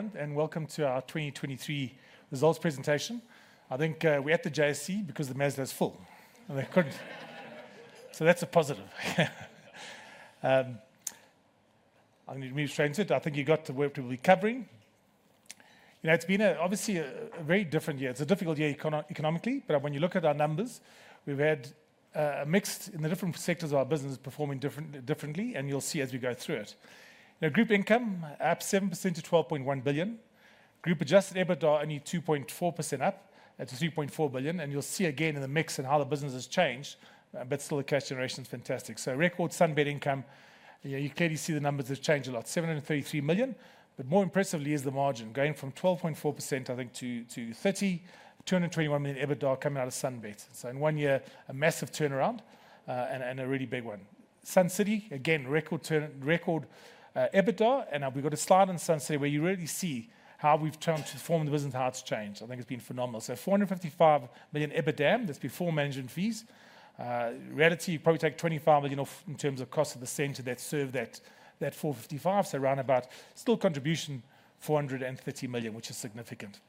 Good morning, everyone, and welcome to our 2023 results presentation. I think, we're at the JSE because the Maslow's full, and they couldn't—that's a positive. I need to transit. I think you got the work that we'll be covering. You know, it's been a, obviously a, a very different year. It's a difficult year economically, but when you look at our numbers, we've had a mix in the different sectors of our business performing differently. And you'll see as we go through it. Group income, up 7% to 12.1 billion. Group adjusted EBITDA, only 2.4% up, at to 3.4 billion. And you'll see again in the mix and how the business has changed, but still, the cash generation is fantastic. Record SunBet income, yeah, you clearly see the numbers have changed a lot, 733 million, but more impressively is the margin going from 12.4%, I think, 221 million EBITDA coming out of SunBet. In one year, a massive turnaround, and a really big one. Sun City, again, record EBITDA. We've got a slide on Sun City, where you really see how we've turned the form of the business, how it's changed. I think it's been phenomenal. 455 million EBITDA, that's before managing fees. Reality, probably take 25 million off in terms of cost of the center that served that 455 million, so round about. Still contribution, 430 million, which is significant.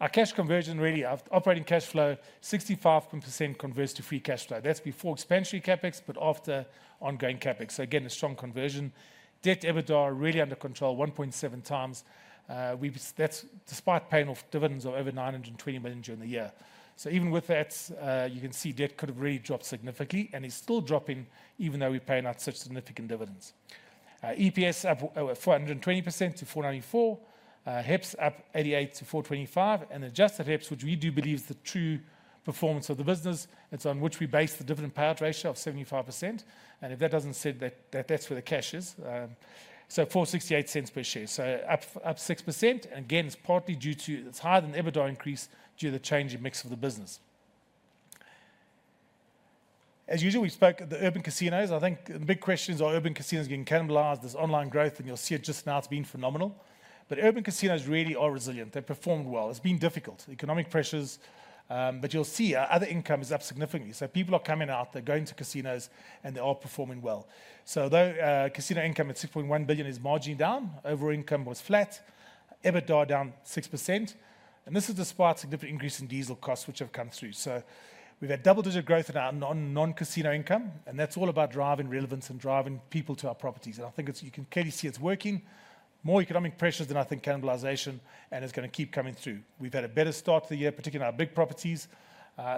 Our cash conversion, our operating cash flow, 65% converts to free cash flow. That's before expansion CapEx, but after ongoing CapEx. Again, a strong conversion. Debt EBITDA, under control, 1.7x. That's despite paying off dividends of over 920 million during the year. Even with that, you can see debt could have dropped significantly, and it's still dropping even though we're paying out such significant dividends. EPS up 420% to 4.94. AHEPS up 88% to 4.25, and adjusted HEPS, which we do believe is the true performance of the business. It's on which we base the dividend payout ratio of 75%. And if that doesn't said that, that's where the cash is 4.68 per share, up 6%. It's partly due to it's higher than the EBITDA increase due to the change in mix of the business. As usual, we spoke at the urban casinos. I think the big question is, are urban casinos getting cannibalized? There's online growth, and you'll see it just now, it's been phenomenal. But urban casinos really are resilient. They've performed well. It's been difficult, economic pressures, but you'll see our other income is up significantly. People are coming out, they're going to casinos, and they are performing well. Though casino income at 6.1 billion is margining down, overall income was flat, EBITDA down 6%, and this is despite a significant increase in diesel costs, which have come through. We've had double-digit growth in our non, non-casino income, and that's all about driving relevance and driving people to our properties. I think it's—you can clearly see it's working. More economic pressures than, I think, cannibalization, and it's going to keep coming through. We've had a better start to the year, particularly in our big properties.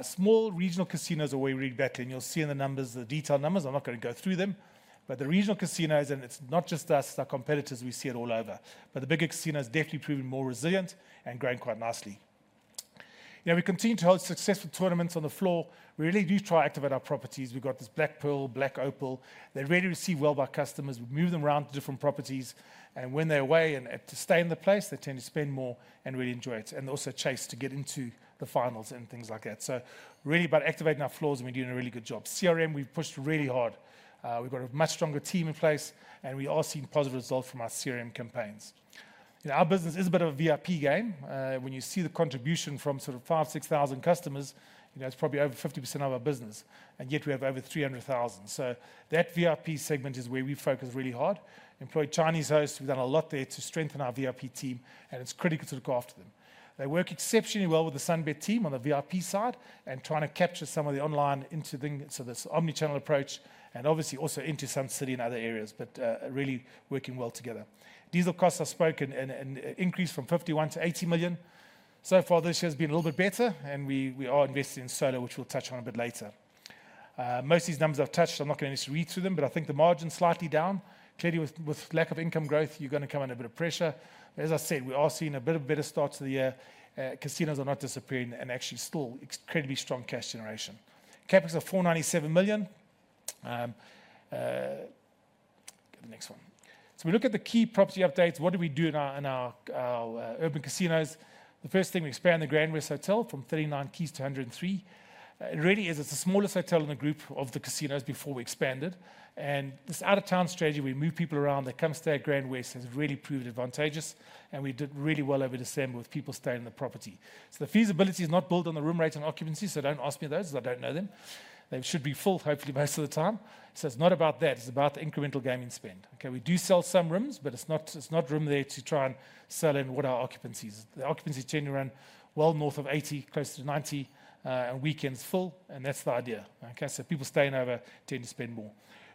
Small regional casinos are where we read back, and you'll see in the numbers, the detailed numbers. I'm not going to go through them. The regional casinos, and it's not just us, our competitors, we see it all over. The bigger casinos definitely proven more resilient and growing quite nicely. You know, we continue to hold successful tournaments on the floor. We really do try to activate our properties. We've got this Black Pearl, Black Opal. They're really received well by customers. We move them around to different properties, and when they're away and, and to stay in the place, they tend to spend more and really enjoy it, and also chase to get into the finals and things like that. Really about activating our floors, and we're doing a really good job. CRM, we've pushed really hard. We've got a much stronger team in place, and we are seeing positive results from our CRM campaigns. You know, our business is a bit of a VIP game. When you see the contribution from sort of 5,000-6,000 customers, you know, it's probably over 50% of our business, and yet we have over 300,000. That VIP segment is where we focus really hard. Employ Chinese hosts, we've done a lot there to strengthen our VIP team, and it's critical to look after them. They work exceptionally well with the SunBet team on the VIP side and trying to capture some of the online into the, so this omnichannel approach, and obviously also into Sun City and other areas, but really working well together. Diesel costs I've spoken and increased from 51 million-80 million. Far, this year has been a little bit better, and we are investing in solar, which we'll touch on a bit later. Most of these numbers I've touched, so I'm not going to just read through them, but I think the margin's slightly down. Clearly, with lack of income growth, you're going to come under a bit of pressure. As I said, we are seeing a bit of better start to the year. Casinos are not disappearing and actually still incredibly strong cash generation. CapEx are 497 million. Go to the next one. We look at the key property updates. What do we do in our urban casinos? The first thing, we expand the GrandWest Hotel from 39 keys to 103. It really is, it's the smallest hotel in the group of the casinos before we expanded. This out-of-town strategy, we move people around, they come stay at GrandWest, has really proved advantageous. And we did really well over December with people staying in the property. The feasibility is not built on the room rate and occupancy, so don't ask me those because I don't know them. They should be full, hopefully, most of the time. It's not about that, it's about the incremental gaming spend. Okay, we do sell some rooms, but it's not, it's not room there to try and sell in what our occupancy is. The occupancy is generally around well north of 80%, close to 90%, and weekends full, and that's the idea. Okay, people staying over tend to spend more.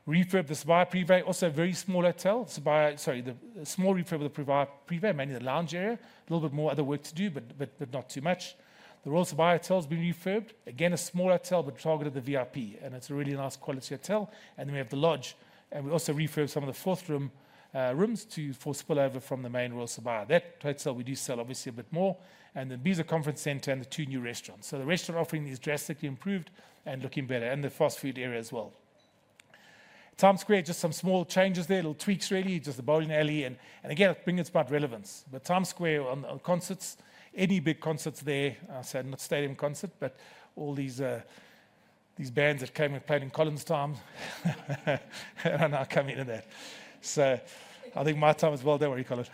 Refurb the Sibaya Privé, also a very small hotel. Sibaya, sorry, the small refurb of the Privé, mainly the lounge area, a little bit more other work to do, but, but, but not too much. The Royal Sibaya Hotel has been refurbed. Again, a small hotel, but targeted the VIP, and it's a really nice quality hotel. Then we have the lodge, and we also refurb some of the 4th room, rooms to, for spill over from the main Royal Sibaya. That hotel, we do sell obviously a bit more, and then Imbizo Conference Centre and the two new restaurants. The restaurant offering is drastically improved and looking better, and the fast food area as well. Times Square, just some small changes there, little tweaks, really, just the bowling alley and, and again, it brings about relevance. Times Square on, on concerts, any big concerts there, so not stadium concert, but all these bands that came and played in Collins' time, are now coming to that. I think my time is well done, what do you call it?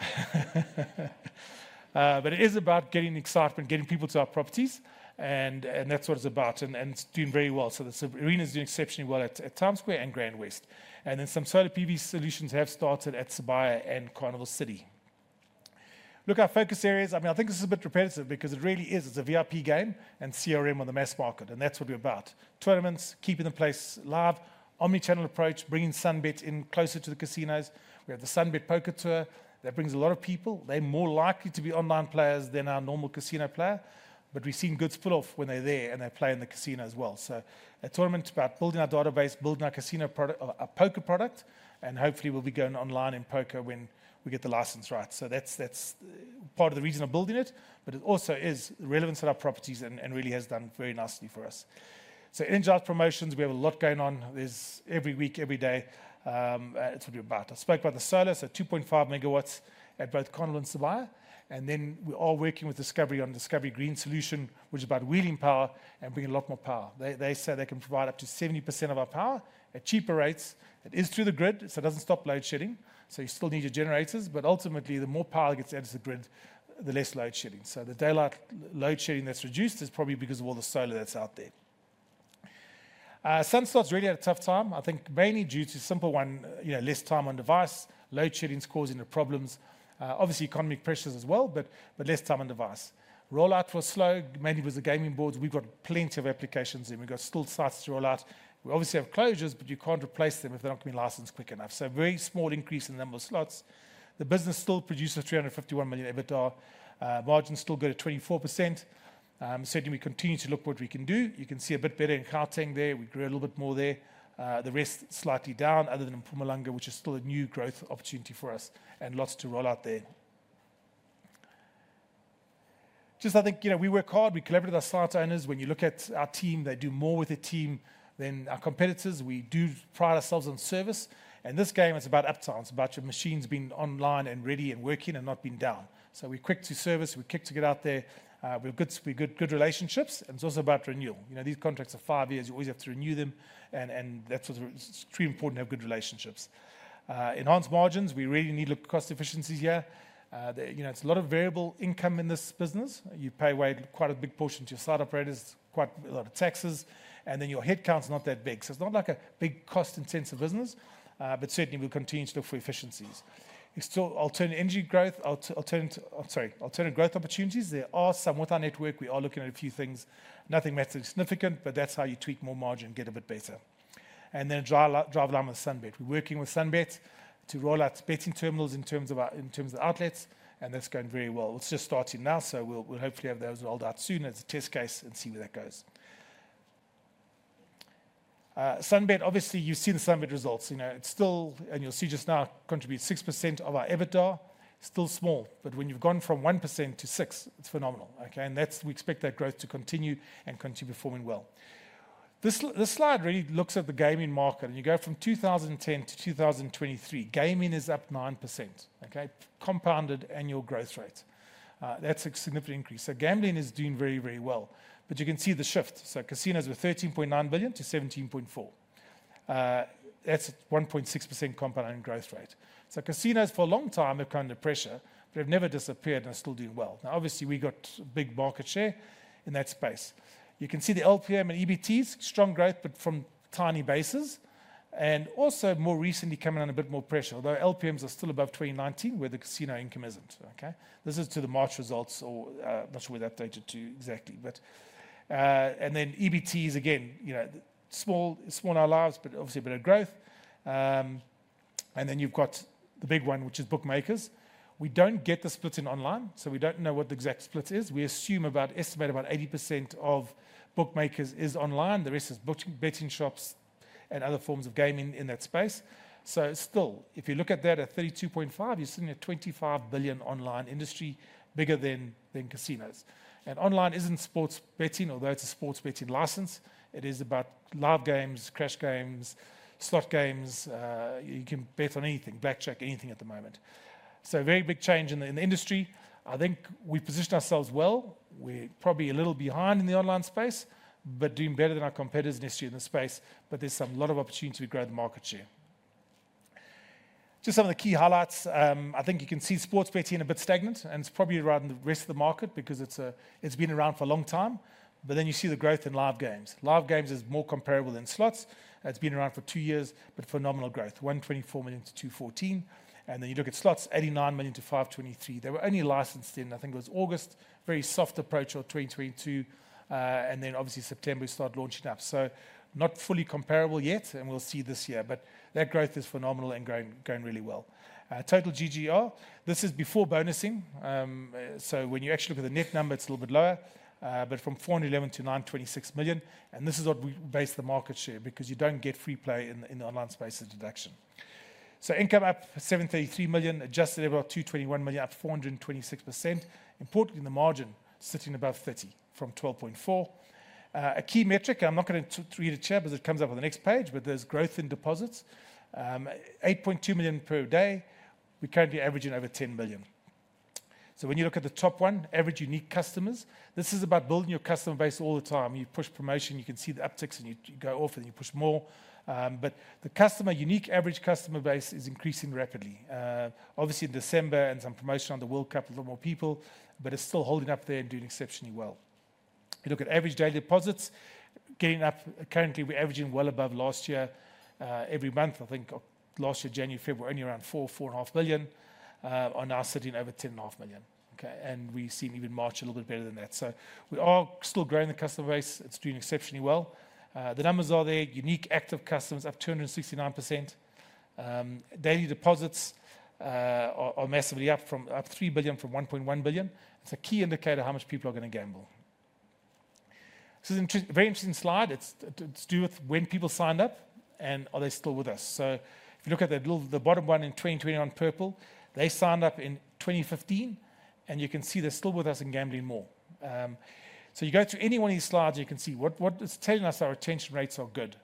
It is about getting the excitement, getting people to our properties, and, and that's what it's about, and, and it's doing very well. The arena is doing exceptionally well at Times Square and GrandWest. And then some solar PV solutions have started at Sibaya and Carnival City. Look, our focus areas, I mean, I think this is a bit repetitive because it really is, it's a VIP game and CRM on the mass market, and that's what we're about. Tournaments, keeping the place live, omnichannel approach, bringing SunBet in closer to the casinos. We have the SunBet Poker Tour. That brings a lot of people. They're more likely to be online players than our normal casino player, but we've seen good spill off when they're there, and they play in the casino as well. A tournament is about building our database, building our casino product, our poker product, and hopefully we'll be going online in poker when we get the license right. That's, that's part of the reason of building it, but it also is relevant to our properties and, and really has done very nicely for us. In-joint promotions, we have a lot going on. There's every week, every day, it's what we're about. I spoke about the solar, 2.5 MW at both Carnival and Sibaya, and then we're all working with discovery or Discovery Green Solution, which is about wheeling power and bringing a lot more power. They, they say they can provide up to 70% of our power at cheaper rates. It is through the grid, so it doesn't stop load shedding, so you still need your generators, but ultimately, the more power gets added to the grid, the less load shedding. The daylight load shedding that's reduced is probably because of all the solar that's out there. Sun Slots really had a tough time, I think mainly due to simple one, you know, less time on device, load shedding is causing the problems, obviously economic pressures as well, but, but less time on device. Rollout was slow, mainly with the gaming boards. We've got plenty of applications in. We've got still sites to roll out. We obviously have closures, but you can't replace them if they're not being licensed quick enough. A very small increase in the number of slots. The business still produces 351 million EBITDA. Margins still good at 24%. Certainly, we continue to look what we can do. You can see a bit better in Gauteng there. We grew a little bit more there. The rest slightly down, other than in Mpumalanga, which is still a new growth opportunity for us and lots to roll out there. Just I think, you know, we work hard. We collaborate with our site owners. When you look at our team, they do more with the team than our competitors. We do pride ourselves on service, and this game is about uptime. It's about your machines being online and ready and working and not being down. We have good, good relationships, and it's also about renewal. You know, these contracts are five years. You always have to renew them, and that's what it's extremely important to have good relationships. Enhanced margins, we really need to look at cost efficiencies here. The, you know, it's a lot of variable income in this business. You pay away quite a big portion to your site operators, quite a lot of taxes, and then your headcount is not that big. It's not like a big cost-intensive business, but certainly, we'll continue to look for efficiencies. You still alternate energy growth, alternate growth opportunities. There are some with our network. We are looking at a few things. Nothing massively significant, but that's how you tweak more margin, get a bit better. Then drive, drive along with SunBet. We're working with SunBet to roll out betting terminals in terms of our, in terms of outlets, and that's going very well. It's just starting now, so we'll, we'll hopefully have those rolled out soon as a test case and see where that goes. SunBet, obviously, you've seen the SunBet results. You know, it's still, and you'll see just now, contribute 6% of our EBITDA, still small, but when you've gone from 1%-6%, it's phenomenal, okay? That's, we expect that growth to continue and continue performing well. This, this slide really looks at the gaming market, and you go from 2010-2023. Gaming is up 9%, okay? Compounded annual growth rate. That's a significant increase. Gambling is doing very, very well, but you can see the shift. Casinos were 13.9 billion-17.4 billion. That's 1.6% compound annual growth rate. Casinos, for a long time, have come under pressure, but they've never disappeared and are still doing well. Now, obviously, we got big market share in that space. You can see the LPM and EBTs strong growth, from tiny bases, and also more recently, coming under a bit more pressure, although LPMs are still above 2019, where the casino income isn't. Okay? This is to the March results or, not sure where they updated to exactly. Then EBTs again, you know, small, small in our lives, but obviously a bit of growth. Then you've got the big one, which is bookmakers. We don't get the splits in online, we don't know what the exact split is. We assume about, estimate about 80% of bookmakers is online. The rest is booking, betting shops and other forms of gaming in that space. Still, if you look at that at 32.5 billion, you're sitting at 25 billion online industry, bigger than casinos. Online isn't sports betting, although it's a sports betting license. It is about live games, crash games, slot games, you can bet on anything, blackjack, anything at the moment. A very big change in the, in the industry. I think we positioned ourselves well. We're probably a little behind in the online space, but doing better than our competitors initially in the space, but there's some lot of opportunity to grow the market share. Just some of the key highlights. I think you can see sports betting a bit stagnant, and it's probably around the rest of the market because it's, it's been around for a long time. Then you see the growth in live games. Live games is more comparable than slots. It's been around for two years, but phenomenal growth, 124 million-214 million. You look at slots, 89 million-523 million. They were only licensed in, I think it was August, very soft approach of 2022, then obviously September, we started launching up. Not fully comparable yet, and we'll see this year, but that growth is phenomenal and growing, growing really well. Total GGR, this is before bonusing. When you actually look at the net number, it's a little bit lower, but from 411 million-926 million, and this is what we base the market share because you don't get free play in the, in the online space as a deduction. Income up 733 million, adjusted EBITDA up to 21 million, up 426%. Importantly, the margin sitting above 30 from 12.4. A key metric, I'm not going to read a chart because it comes up on the next page, there's growth in deposits. 8.2 million per day. We're currently averaging over 10 million. When you look at the top one, average unique customers, this is about building your customer base all the time. You push promotion, you can see the upticks, and you go off and you push more. The customer, unique average customer base is increasing rapidly. Obviously in December and some promotion on the World Cup, a little more people, but it's still holding up there and doing exceptionally well. If you look at average daily deposits, getting up, currently, we're averaging well above last year, every month. I think last year, January, February, only around 4 billion-4.5 billion, are now sitting over 10.5 million, okay? We've seen even March a little bit better than that. We are still growing the customer base. It's doing exceptionally well. The numbers are there. Unique active customers up 269%. Daily deposits are massively up from up 3 billion from 1.1 billion. It's a key indicator of how much people are going to gamble. This is interesting, very interesting slide. It's, it's to do with when people signed up and are they still with us. If you look at that little, the bottom one in 2021 purple, they signed up in 2015, and you can see they're still with us and gambling more. You go to any one of these slides, you can see what, what is telling us our retention rates are good.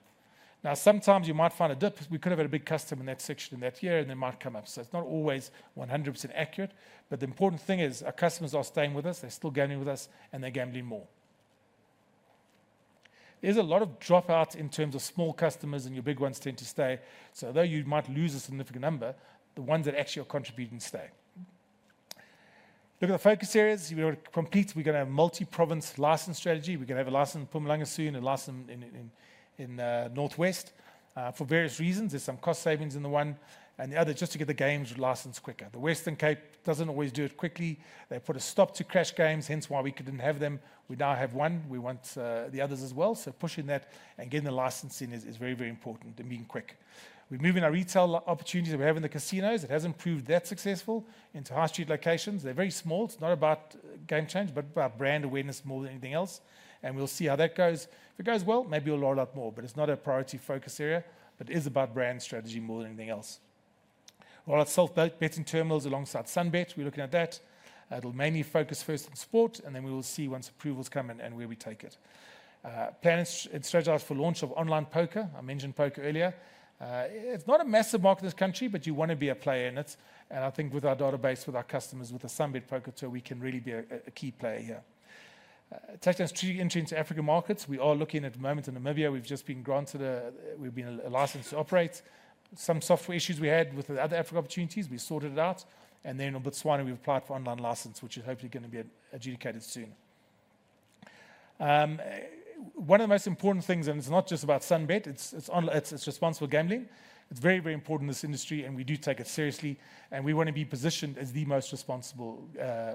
Sometimes you might find a dip, we could have had a big customer in that section in that year, and they might come up. It's not always 100% accurate, but the important thing is our customers are staying with us, they're still gambling with us, and they're gambling more. There's a lot of drop out in terms of small customers, and your big ones tend to stay. Although you might lose a significant number, the ones that actually are contributing stay. Look at the focus areas. In order to compete, we're going to have multi-province license strategy. We're going to have a license in Mpumalanga soon and license in, in, in North West. For various reasons, there's some cost savings in the 1, and the other, just to get the games licensed quicker. The Western Cape doesn't always do it quickly. They put a stop to crash games, hence why we couldn't have them. We now have 1. We want the others as well. Pushing that and getting the licensing is, is very, very important and being quick. We're moving our retail opportunities that we have in the casinos. It hasn't proved that successful into high street locations. They're very small. It's not about game change, but about brand awareness more than anything else, and we'll see how that goes. If it goes well, maybe we'll roll out more, but it's not a priority focus area. It is about brand strategy more than anything else. Well, our self-bet betting terminals alongside SunBet, we're looking at that. It'll mainly focus first on sport, and then we will see once approvals come in and where we take it. Planning and strategy for launch of online poker. I mentioned poker earlier. It's not a massive market in this country, but you want to be a player in it. I think with our database, with our customers, with the SunBet Poker, we can really be a key player here. Tactical strategy entry into Africa markets, we are looking at the moment in Namibia. We've just been granted a, we've been a license to operate. Some software issues we had with the other Africa opportunities, we sorted it out. In Botswana, we've applied for online license, which is hopefully going to be adjudicated soon. One of the most important things, and it's not just about SunBet, it's responsible gambling. It's very, very important in this industry, and we do take it seriously, and we want to be positioned as the most responsible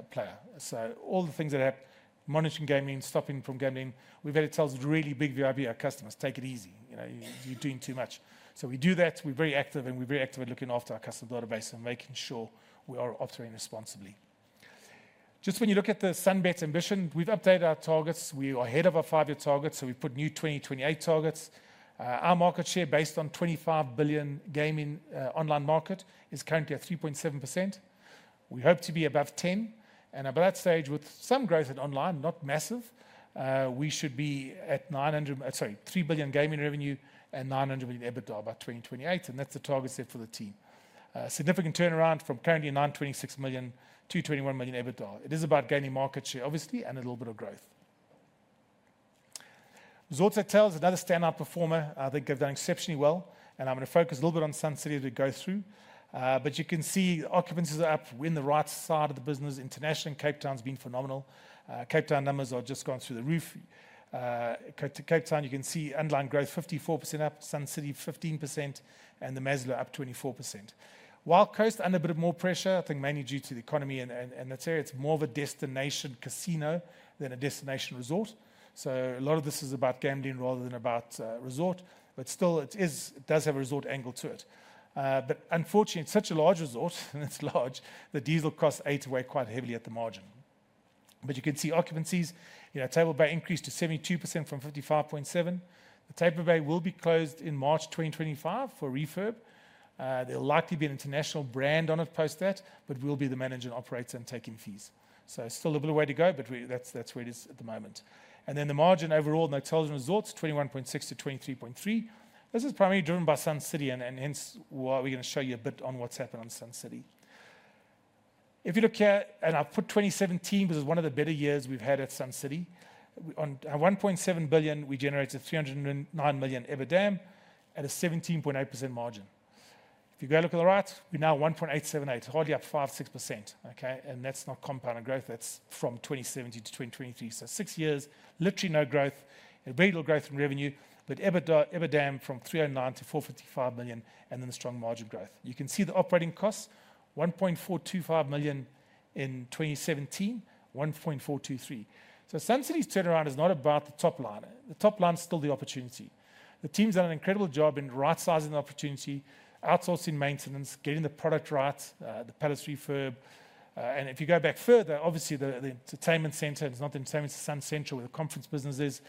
player. All the things that happen, monitoring gaming, stopping from gaming, we've got to tell this really big VIP, our customers, "Take it easy. You know, you're doing too much." We do that. We're very active, and we're very active at looking after our customer database and making sure we are operating responsibly. Just when you look at the SunBet's ambition, we've updated our targets. We are ahead of our 5-year target, so we've put new 2028 targets. Our market share, based on 25 billion gaming online market, is currently at 3.7%. We hope to be above 10%, and by that stage, with some growth in online, not massive, we should be at 900, sorry, 3 billion gaming revenue and 900 million EBITDA by 2028, and that's the target set for the team. Significant turnaround from currently 926 million-21 million EBITDA. It is about gaining market share, obviously, and a little bit of growth. Resorts & Hotels, another standout performer. I think they've done exceptionally well, and I'm going to focus a little bit on Sun City as we go through. You can see occupancies are up. We're in the right side of the business. International and Cape Town has been phenomenal. Cape Town numbers have just gone through the roof. Cape Town, you can see online growth, 54% up, Sun City, 15%, and the Maseru up 24%. Wild Coast, under a bit of more pressure, I think mainly due to the economy and that area. It's more of a destination casino than a destination resort. A lot of this is about gambling rather than about resort, but still it is—it does have a resort angle to it. Unfortunately, it's such a large resort, and it's large, the diesel costs ate away quite heavily at the margin. You can see occupancies, you know, Table Bay increased to 72% from 55.7%. The Table Bay will be closed in March 2025 for refurb. There'll likely be an international brand on it post that, but we'll be the manager and operator and taking fees. Still a little way to go, but we that's, that's where it is at the moment. The margin overall in hotels and resorts, 21.6%-23.3%. This is primarily driven by Sun City, and hence why we're going to show you a bit on what's happened on Sun City. If you look here, and I've put 2017 because it's one of the better years we've had at Sun City. On 1.7 billion, we generated 309 million EBITDA at a 17.8% margin. If you go look at the right, we're now 1.878 billion, hardly up 5%, 6%, okay? That's not compound growth. That's from 2017 to 2023. Six years, literally no growth and very little growth in revenue, but EBITDA, EBITDA from 309 to 455 million, and then the strong margin growth. You can see the operating costs, 1.425 million in 2017, 1.423 million. Sun City's turnaround is not about the top line. The top line is still the opportunity. The team's done an incredible job in right-sizing the opportunity, outsourcing maintenance, getting the product right, the Palace refurb. If you go back further, obviously, the entertainment center, it's not the entertainment, Sun Central, where the conference business is.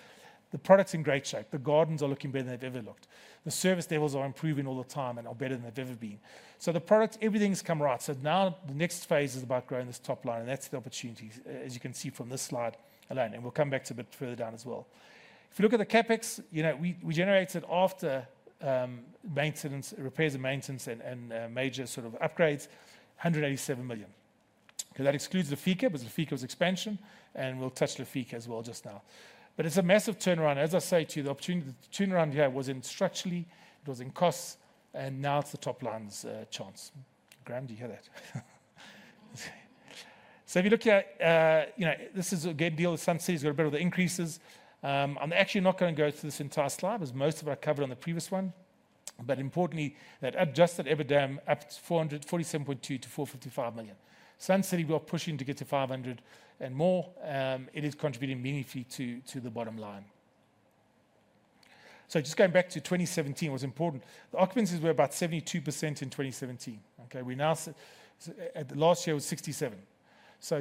The product's in great shape. The gardens are looking better than they've ever looked. The service levels are improving all the time and are better than they've ever been. The product, everything's come right. Now the next phase is about growing this top line, and that's the opportunity, as you can see from this slide alone, and we'll come back to a bit further down as well. If you look at the CapEx, you know, we, we generated after maintenance, repairs and maintenance and, and major sort of upgrades, 187 million. Because that excludes Lefika, because Lefika was expansion, and we'll touch Lefika as well just now. But it's a massive turnaround. As I say to you, the opportunity, the turnaround here was in structurally, it was in costs, and now it's the top line's chance. Graham, do you hear that? If you look at, you know, this is again, deal with Sun City's got a bit of the increases. I'm actually not gonna go through this entire slide as most of it I covered on the previous one. Importantly, that adjusted EBITDA up 447.2 million to 455 million. Sun City, we are pushing to get to 500 million and more. It is contributing meaningfully to the bottom line. Just going back to 2017, what's important, the occupancies were about 72% in 2017. We now at last year was 67%.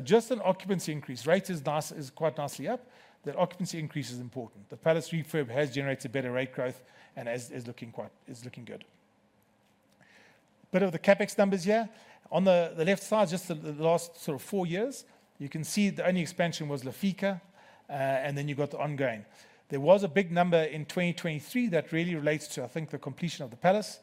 Just an occupancy increase. Rates is nice, is quite nicely up. That occupancy increase is important. The Palace refurb has generated better rate growth and is looking good. Bit of the CapEx numbers here. On the, the left side, just the, the last sort of four years, you can see the only expansion was Lefika, and then you've got the ongoing. There was a big number in 2023 that really relates to, I think, the completion of the Palace.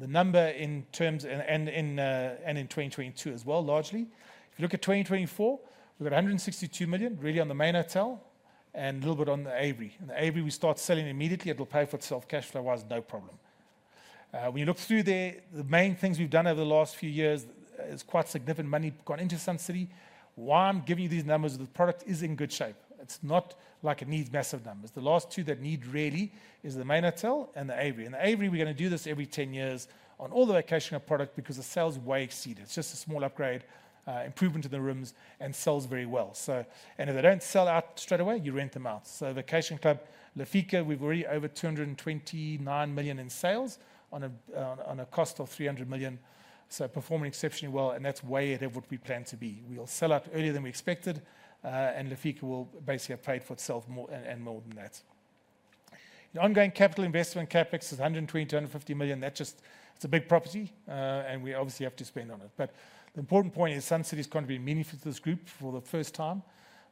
The number in terms... and in 2022 as well, largely. If you look at 2024, we've got 162 million really on the main hotel and a little bit on The Aviary. The Aviary, we start selling immediately, it will pay for itself. Cash flow-wise, no problem. When you look through there, the main things we've done over the last few years is quite significant money gone into Sun City. Why I'm giving you these numbers, the product is in good shape. It's not like it needs massive numbers. The last two that need really is the main hotel and The Aviary. The Aviary, we're going to do this every 10 years on all the vacationer product because the sales way exceed it. It's just a small upgrade, improvement to the rooms and sells very well, so. If they don't sell out straight away, you rent them out. Vacation Club Lefika, we've already over 229 million in sales on a, on a cost of 300 million. Performing exceptionally well, and that's way ahead of what we planned to be. We'll sell out earlier than we expected, and Lefika will basically have paid for itself more and, and more than that. The ongoing capital investment, CapEx, is 120 million-150 million. That just— It's a big property, and we obviously have to spend on it. The important point is Sun City is going to be meaningful to this group for the first time.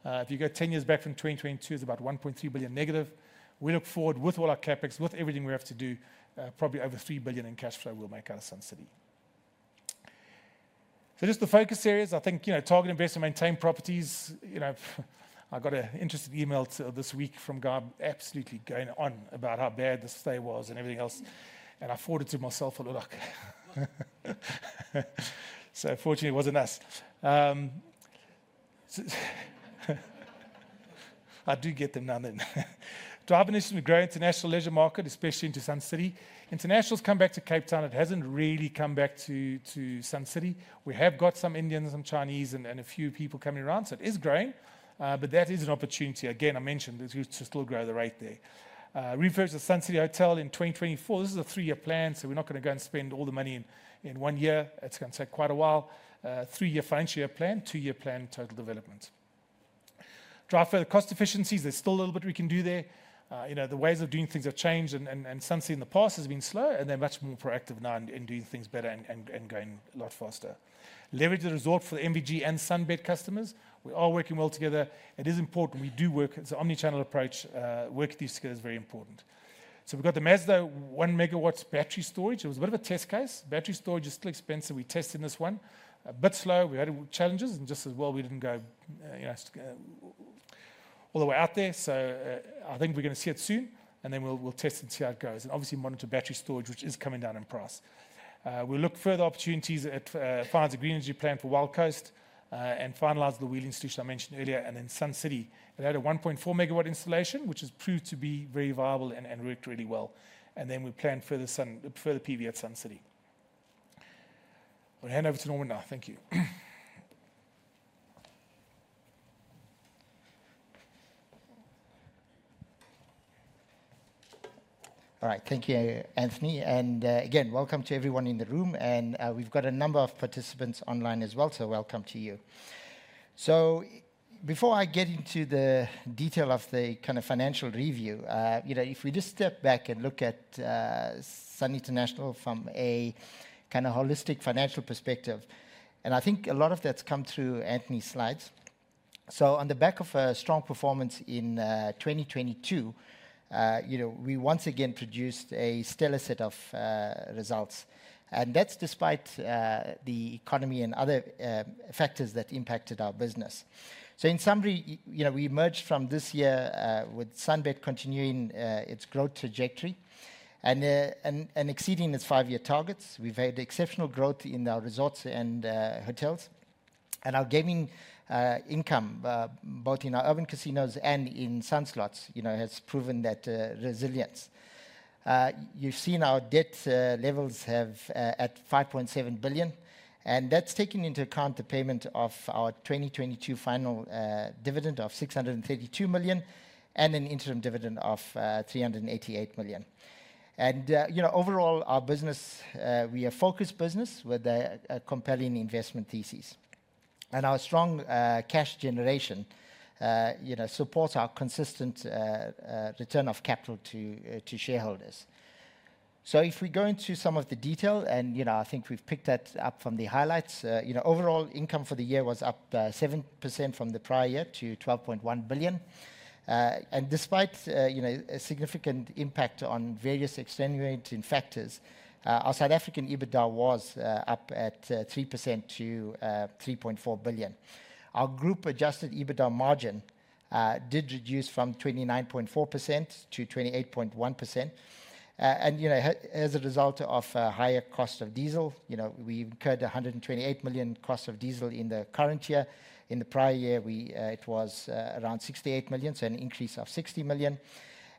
If you go 10 years back from 2022, it's about 1.3 billion negative. We look forward, with all our CapEx, with everything we have to do, probably over 3 billion in cash flow we'll make out of Sun City. Just the focus areas, I think, you know, target investment, maintain properties. You know, I got an interesting email this week from a guy absolutely going on about how bad the stay was and everything else, and I forwarded to myself and was like—so fortunately, it wasn't us. I do get them now and then. Drive additional growth international leisure market, especially into Sun City. International's come back to Cape Town. It hasn't really come back to, to Sun City. We have got some Indians, some Chinese, and, and a few people coming around, so it is growing, but that is an opportunity. Again, I mentioned that we to still grow the rate there. Refurbish the Sun City Hotel in 2024. This is a 3-year plan, so we're not going to go and spend all the money in, in 1 year. It's going to take quite a while. 3-year financial year plan, 2-year plan, total development. Drive further cost efficiencies. There's still a little bit we can do there. You know, the ways of doing things have changed, and, and, Sun City in the past has been slow, and they're much more proactive now in doing things better and, and, and going a lot faster. Leverage the resort for the MVG and SunBet customers. We are working well together. It is important we do work. It's an omnichannel approach. Work these skills, very important. We've got the Maseru 1 MW battery storage. It was a bit of a test case. Battery storage is still expensive. We tested this one. A bit slow. We had challenges, and just as well we didn't go, you know, all the way out there. I think we're going to see it soon, and then we'll, we'll test and see how it goes. Obviously, monitor battery storage, which is coming down in price. We'll look further opportunities at, finalise the green energy plan for Wild Coast, and finalise the wheeling solution I mentioned earlier. Sun City, it had a 1.4 MW installation, which has proved to be very viable and worked really well. We plan further PV at Sun City. I'll hand over to Norman now. Thank you. All right. Thank you, Anthony. Again, welcome to everyone in the room, we've got a number of participants online as well, welcome to you. Before I get into the detail of the kind of financial review, you know, if we just step back and look at Sun International from a kind of holistic financial perspective, I think a lot of that's come through Anthony's slides. On the back of a strong performance in 2022, you know, we once again produced a stellar set of results, that's despite the economy and other factors that impacted our business. In summary, you know, we emerged from this year, with SunBet continuing its growth trajectory and exceeding its 5-year targets. We've had exceptional growth in our resorts and hotels, and our gaming income, both in our urban casinos and in Sun Slots, you know, has proven that resilience. You've seen our debt levels have at 5.7 billion, and that's taking into account the payment of our 2022 final dividend of 632 million and an interim dividend of 388 million. Overall, our business, we are a focused business with a compelling investment thesis. Our strong cash generation, you know, supports our consistent return of capital to shareholders. If we go into some of the detail, and you know, I think we've picked that up from the highlights. You know, overall income for the year was up 7% from the prior year to 12.1 billion. Despite, you know, a significant impact on various extenuating factors, our South African EBITDA was up at 3% to 3.4 billion. Our group-adjusted EBITDA margin did reduce from 29.4% to 28.1%. You know, as a result of higher cost of diesel, you know, we incurred 128 million cost of diesel in the current year. In the prior year, we, it was around 68 million, so an increase of 60 million.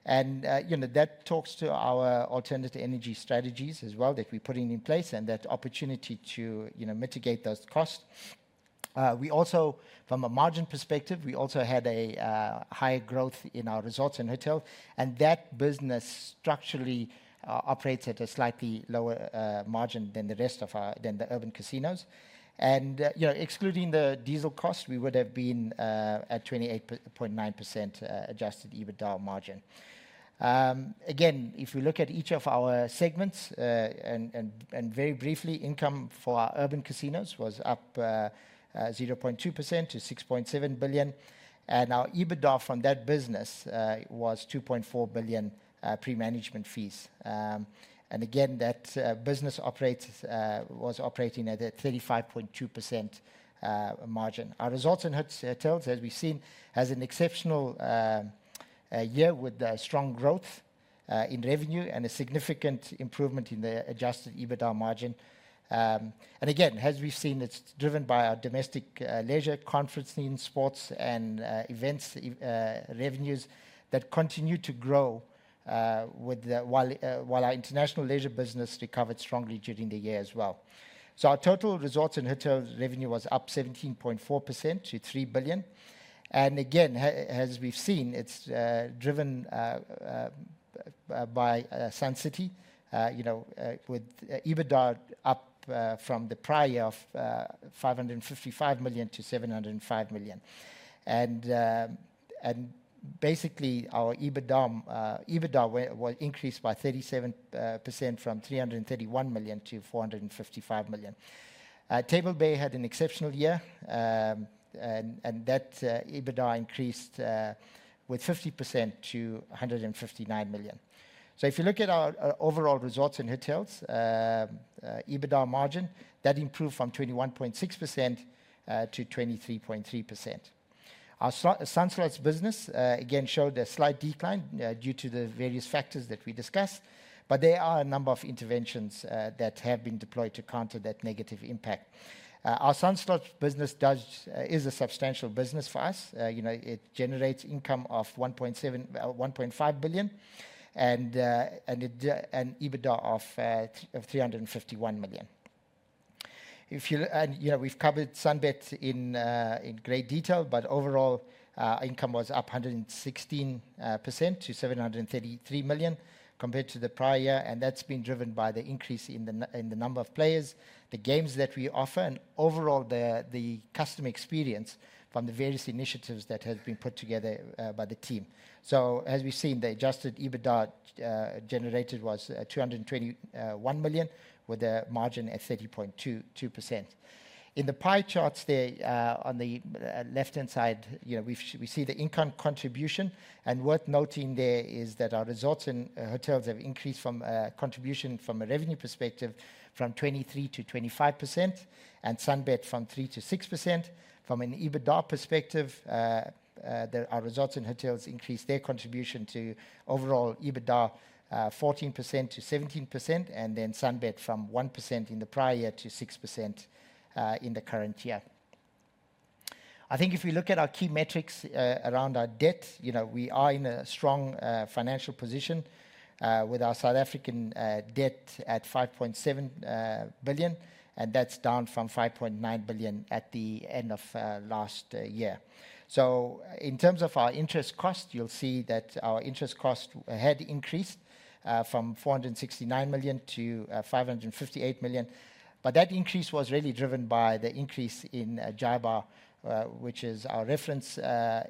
You know, that talks to our alternative energy strategies as well, that we're putting in place and that opportunity to, you know, mitigate those costs. We also, from a margin perspective, we also had a high growth in our resorts and hotel, and that business structurally, operates at a slightly lower margin than the rest of our than the urban casinos. You know, excluding the diesel cost, we would have been at 28.9% adjusted EBITDA margin. Again, if we look at each of our segments, and very briefly, income for our urban casinos was up 0.2% to 6.7 billion, and our EBITDA from that business was 2.4 billion pre-management fees. Again, that business operates, was operating at a 35.2% margin. Our resorts and hotels, as we've seen, has an exceptional year with strong growth in revenue and a significant improvement in the adjusted EBITDA margin. Again, as we've seen, it's driven by our domestic leisure, conferencing, sports, and events revenues that continue to grow while our international leisure business recovered strongly during the year as well. Our total resorts and hotels revenue was up 17.4% to 3 billion. Again, as we've seen, it's driven by Sun City, you know, with EBITDA up from the prior year of 555 million-705 million. Basically, our EBITDA was increased by 37% from 331 million-455 million. Table Bay had an exceptional year, and that EBITDA increased with 50% to 159 million. If you look at our overall resorts and hotels EBITDA margin, that improved from 21.6% to 23.3%. Our Sun Slots business again showed a slight decline due to the various factors that we discussed, but there are a number of interventions that have been deployed to counter that negative impact. Our Sun Slots business is a substantial business for us. you know, it generates income of 1.7, 1.5 billion, and it an EBITDA of 351 million. You know, we've covered SunBet in great detail, but overall, income was up 116% to 733 million compared to the prior year, and that's been driven by the increase in the number of players, the games that we offer, and overall, the customer experience from the various initiatives that have been put together by the team. As we've seen, the adjusted EBITDA generated was 221 million, with a margin at 30.22%. In the pie charts there, on the left-hand side, you know, we see the income contribution. orth noting there is that our resorts and hotels have increased from contribution from a revenue perspective, from 23%-25%, and SunBet from 3%-6%. From an EBITDA perspective, the our resorts and hotels increased their contribution to overall EBITDA, 14%-17%. SunBet from 1% in the prior year to 6% in the current year. I think if we look at our key metrics around our debt, you know, we are in a strong financial position with our South African debt at 5.7 billion. That's down from 5.9 billion at the end of last year. In terms of our interest cost, you'll see that our interest cost had increased from 469 million to 558 million. That increase was really driven by the increase in JIBAR, which is our reference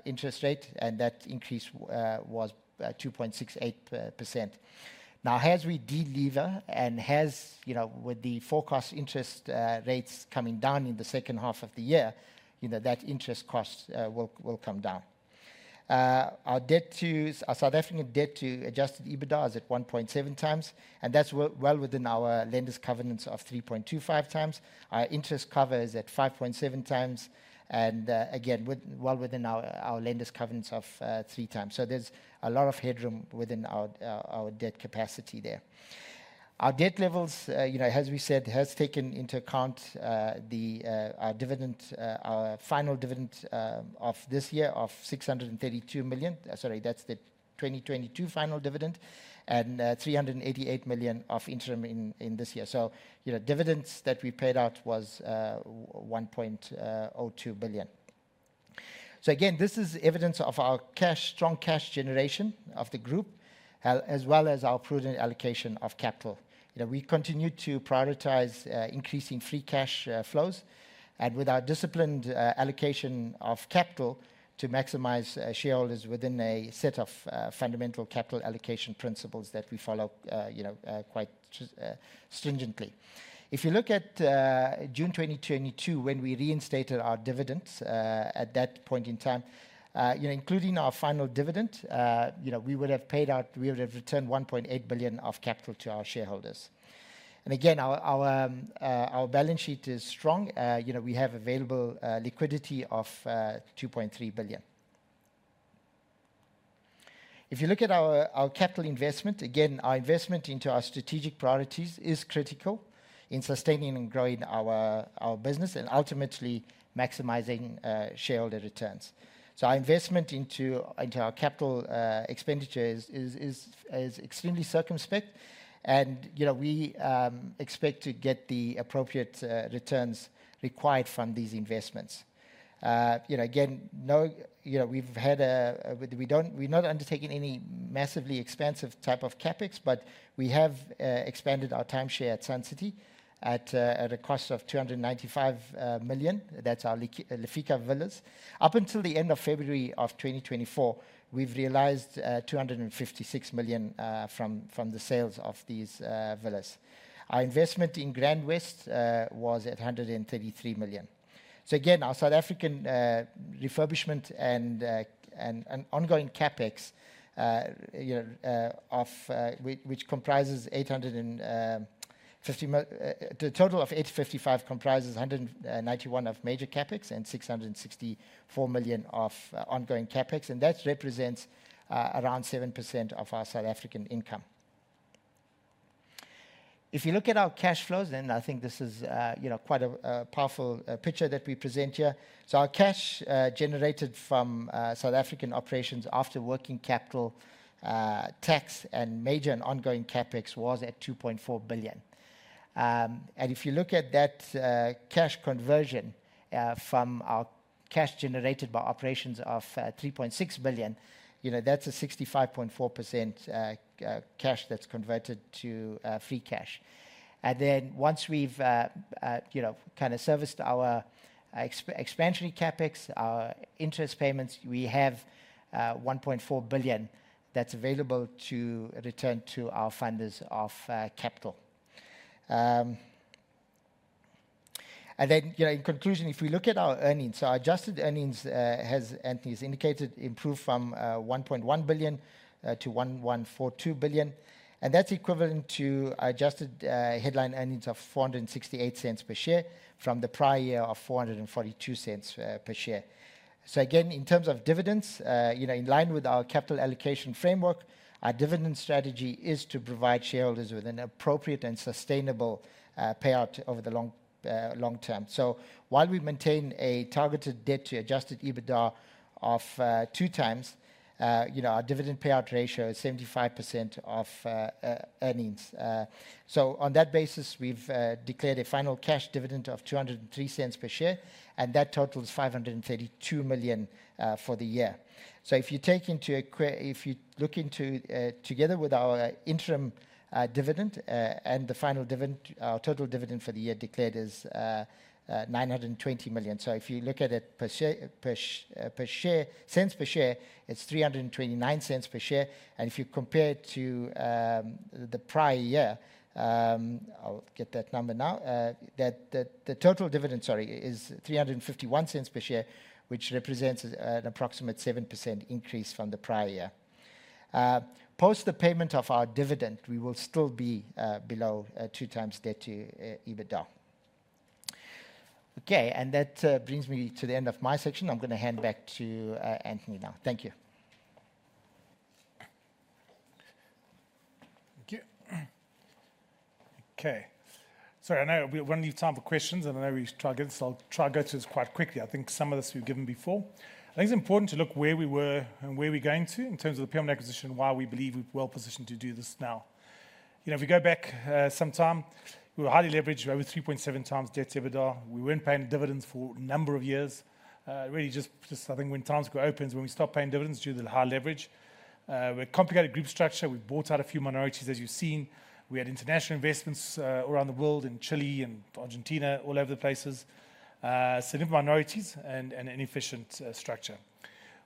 interest rate, and that increase was 2.68%. Now, as we delever and as, you know, with the forecast interest rates coming down in the second half of the year, you know, that interest cost will come down. Our South African debt to adjusted EBITDA is at 1.7x, and that's well, well within our lenders' covenants of 3.25x. Our interest cover is at 5.7x, and again, well within our lenders' covenants of 3x. There's a lot of headroom within our debt capacity there. Our debt levels, you know, as we said, has taken into account the our dividend, our final dividend of this year of 632 million. Sorry, that's the 2022 final dividend and 388 million of interim in this year. You know, dividends that we paid out was 1.02 billion. Again, this is evidence of our cash, strong cash generation of the group, as well as our prudent allocation of capital. You know, we continue to prioritize increasing free cash flows and with our disciplined allocation of capital to maximize shareholders within a set of fundamental capital allocation principles that we follow, you know, quite stringently. If you look at, June 2022, when we reinstated our dividends, at that point in time, you know, including our final dividend, you know, we would have paid out—we would have returned 1.8 billion of capital to our shareholders. Again, our balance sheet is strong. You know, we have available liquidity of 2.3 billion. If you look at our capital investment, again, our investment into our strategic priorities is critical in sustaining and growing our, our business and ultimately maximizing shareholder returns. Our investment into, into our capital expenditure is, is, is, is extremely circumspect and, you know, we expect to get the appropriate returns required from these investments. You know, again, no. You know, we've had, we're not undertaking any massively expensive type of CapEx, but we have expanded our timeshare at Sun City at a cost of 295 million. That's our Lefika Villas. Up until the end of February of 2024, we've realized 256 million from the sales of these villas. Our investment in GrandWest was at 133 million. Again, our South African refurbishment and ongoing CapEx, you know, of which comprises the total of 855 comprises 191 of major CapEx and 664 million of ongoing CapEx, and that represents around 7% of our South African income. If you look at our cash flows, I think this is, you know, quite a powerful picture that we present here. Our cash generated from South African operations after working capital, tax, and major and ongoing CapEx was at 2.4 billion. If you look at that cash conversion from our cash generated by operations of 3.6 billion, you know, that's a 65.4% cash that's converted to free cash. Once we've, you know, kind of serviced our expansion CapEx, our interest payments, we have 1.4 billion that's available to return to our funders of capital. In conclusion, if we look at our earnings, our adjusted earnings has, Anthony's indicated, improved from 1.1 billion- 1.142 billion, and that's equivalent to adjusted headline earnings of 4.68 per share from the prior year of 4.42 per share. Again, in terms of dividends, in line with our capital allocation framework, our dividend strategy is to provide shareholders with an appropriate and sustainable payout over the long term. While we maintain a targeted debt to adjusted EBITDA of 2x, our dividend payout ratio is 75% of earnings. On that basis, we've declared a final cash dividend of 203 cents per share, and that totals 532 million for the year. If you take into if you look into together with our interim dividend and the final dividend, our total dividend for the year declared is 920 million. If you look at it per share, per share, cents per share, it's 329 cents per share, and if you compare it to the prior year, I'll get that number now. The total dividend, sorry, is 351 cents per share, which represents an approximate 7% increase from the prior year. Post the payment of our dividend, we will still be below 2x debt to EBITDA. Okay, that brings me to the end of my section. I'm going to hand back to Anthony now. Thank you. Thank you. Okay. Sorry, I know we, we're going to leave time for questions, and I know we try get this, I'll try to go through this quite quickly. I think some of this we've given before. I think it's important to look where we were and where we're going to in terms of the Peermont acquisition, and why we believe we're well positioned to do this now. You know, if we go back, sometime, we were highly leveraged, over 3.7x debt to EBITDA. We weren't paying dividends for a number of years. Really just, just I think when Times Square opened, is when we stopped paying dividends due to the high leverage. We had complicated group structure. We bought out a few minorities, as you've seen. We had international investments, around the world, in Chile and Argentina, all over the places. Minorities and inefficient structure.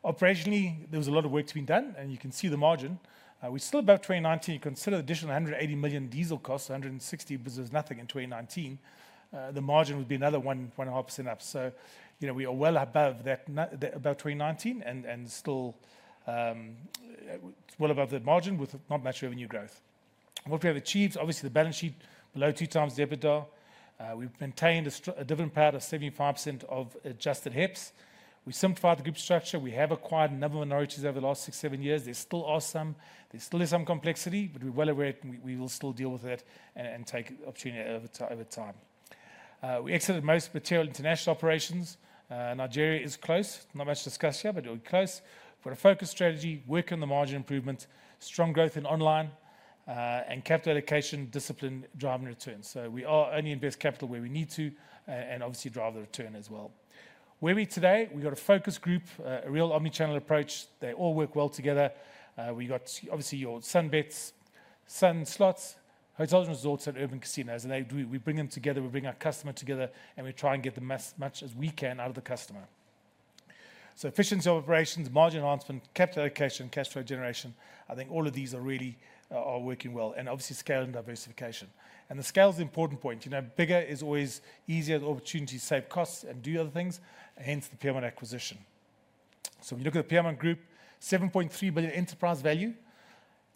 Operationally, there was a lot of work to be done, and you can see the margin. We're still above 2019. Consider additional 180 million diesel costs, 160 million, because there was nothing in 2019. The margin would be another 1.5% up. You know, we are well above that, that above 2019 and still well above the margin with not much revenue growth. What we have achieved, obviously, the balance sheet below 2 times the EBITDA. We've maintained a dividend payout of 75% of adjusted HEPS. We've simplified the group structure. We have acquired a number of minorities over the last six, seven years. There still are some. There still is some complexity, but we're well aware, and we, we will still deal with that and take opportunity over time, over time. We exited most material international operations. Nigeria is close. Not much discussion, but we're close. For a focus strategy, work on the margin improvement, strong growth in online, and capital allocation, discipline, driving returns. We are only invest capital where we need to, and obviously drive the return as well. Where we are today, we've got a focus group, a real omnichannel approach. They all work well together. We got obviously your SunBet, Sun Slots, hotels and resorts, and urban casinos. We bring them together, we bring our customer together, and we try and get much as we can out of the customer. Efficiency operations, margin enhancement, capital allocation, cash flow generation, I think all of these are really, are working well, and obviously scale and diversification. The scale is the important point. You know, bigger is always easier the opportunity to save costs and do other things, hence the Peermont acquisition. When you look at the Peermont Group, 7.3 billion enterprise value,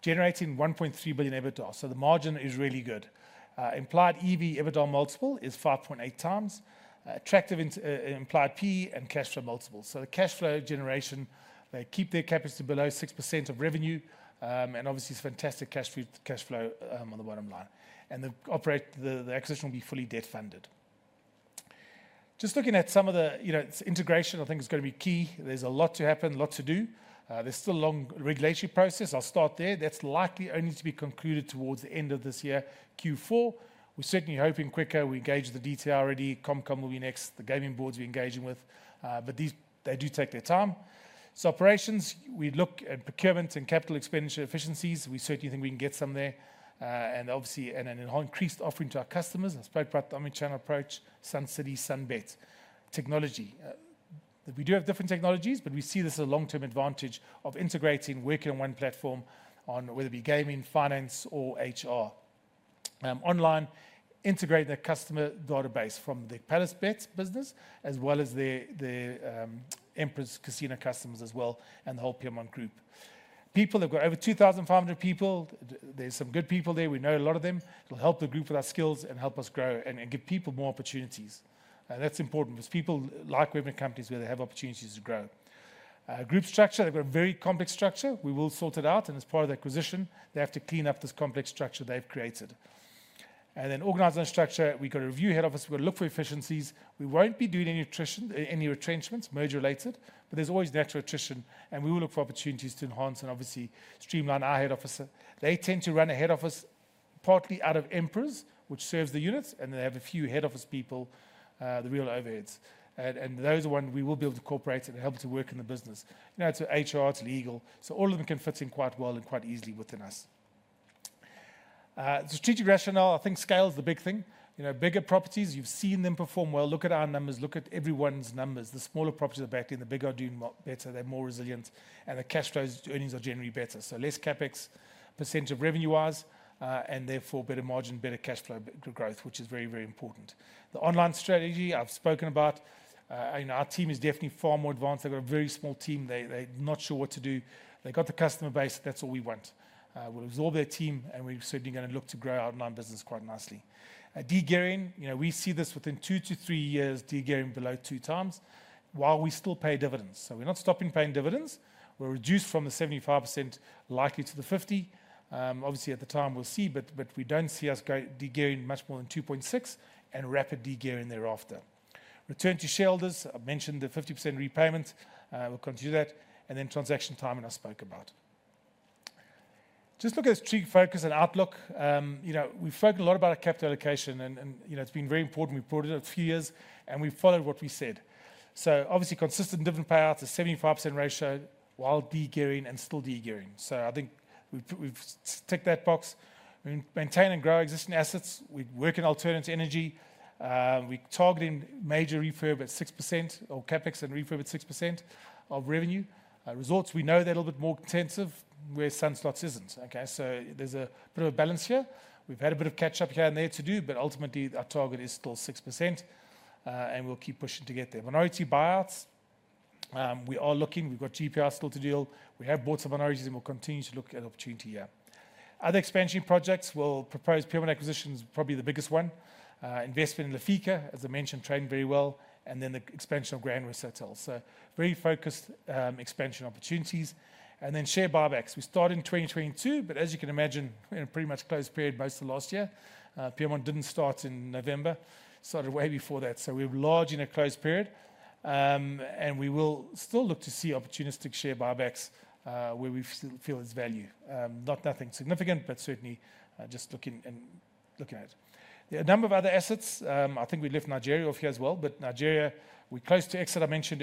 generating 1.3 billion EBITDA. The margin is really good. Implied EV/EBITDA multiple is 5.8x, attractive implied P/E and cash flow multiples. The cash flow generation, they keep their cap rates to below 6% of revenue, and obviously, it's fantastic cash flow on the bottom line. The acquisition will be fully debt-funded. Just looking at some of the, you know, integration, I think, is going to be key. There's a lot to happen, a lot to do. There's still a long regulatory process. I'll start there. That's likely only to be concluded towards the end of this year, Q4. We're certainly hoping quicker. We engaged the DTR already. Comcom will be next. The gaming boards we're engaging with, but they do take their time. Operations, we look at procurement and capital expenditure efficiencies. We certainly think we can get some there, and obviously, an increased offering to our customers. I spoke about the omnichannel approach, Sun City, SunBet. Technology, we do have different technologies, but we see this as a long-term advantage of integrating, working on one platform on whether it be gaming, finance, or HR. Online, integrate their customer database from the PalaceBet business, as well as their, their Emperors Casino customers as well, and the whole Peermont Group. People, they've got over 2,500 people. There's some good people there. We know a lot of them. It'll help the group with our skills and help us grow and give people more opportunities. That's important because people like working with companies where they have opportunities to grow. Group structure, they've got a very complex structure. We will sort it out. As part of the acquisition, they have to clean up this complex structure they've created. Then organization structure, we've got a review head office. We've got to look for efficiencies. We won't be doing any attrition, any retrenchments, merger-related, but there's always natural attrition, and we will look for opportunities to enhance and obviously streamline our head office. They tend to run a head office partly out of Emperors, which serves the units, and they have a few head office people, the real overheads. Those are ones we will be able to incorporate and help to work in the business. You know, it's HR, it's legal, so all of them can fit in quite well and quite easily within us. Strategic rationale, I think scale is the big thing. You know, bigger properties, you've seen them perform well. Look at our numbers, look at everyone's numbers. The smaller properties are backing, the bigger are doing better, they're more resilient, and the cash flows, earnings are generally better. Less CapEx, percentage of revenue-wise, and therefore better margin, better cash flow growth, which is very, very important. The online strategy I've spoken about, and our team is definitely far more advanced. They've got a very small team. They're not sure what to do. They got the customer base. That's all we want. We'll absorb their team, and we're certainly going to look to grow our online business quite nicely. De-gearing, you know, we see this within two to three years, de-gearing below 2x, while we still pay dividends. We're not stopping paying dividends. We're reduced from the 75%, likely to the 50%. Obviously, at the time, we'll see, but, but we don't see us go de-gearing much more than 2.6 and rapid de-gearing thereafter. Return to shareholders, I've mentioned the 50% repayment. We'll continue that. Transaction timing I spoke about. Just look at the strategic focus and outlook. You know, we've spoken a lot about our capital allocation and, and, you know, it's been very important. We've brought it up a few years, and we've followed what we said. Obviously, consistent dividend payouts, a 75% ratio while de-gearing and still de-gearing. I think we've, we've ticked that box. We maintain and grow existing assets. We work in alternative energy. We're targeting major refurb at 6% or CapEx and refurb at 6% of revenue. Resorts, we know they're a little bit more intensive where Sun Slots isn't, okay? There's a bit of a balance here. We've had a bit of catch-up here and there to do, but ultimately, our target is still 6%, we'll keep pushing to get there. Minority buyouts, we are looking. We've got GPR still to deal. We have bought some minorities, we'll continue to look at opportunity here. Other expansion projects, we'll propose Peermont Acquisition is probably the biggest one. Investment in Lefika, as I mentioned, trading very well, the expansion of GrandWest Hotel. Very focused, expansion opportunities. Share buybacks. We started in 2022, but as you can imagine, we're in a pretty much closed period most of last year. Peermont didn't start in November, started way before that. We're large in a closed period, we will still look to see opportunistic share buybacks, where we feel it's value. Not nothing significant, but certainly, just looking and looking at it. There are a number of other assets. I think we left Nigeria off here as well, but Nigeria, we're close to exit, I mentioned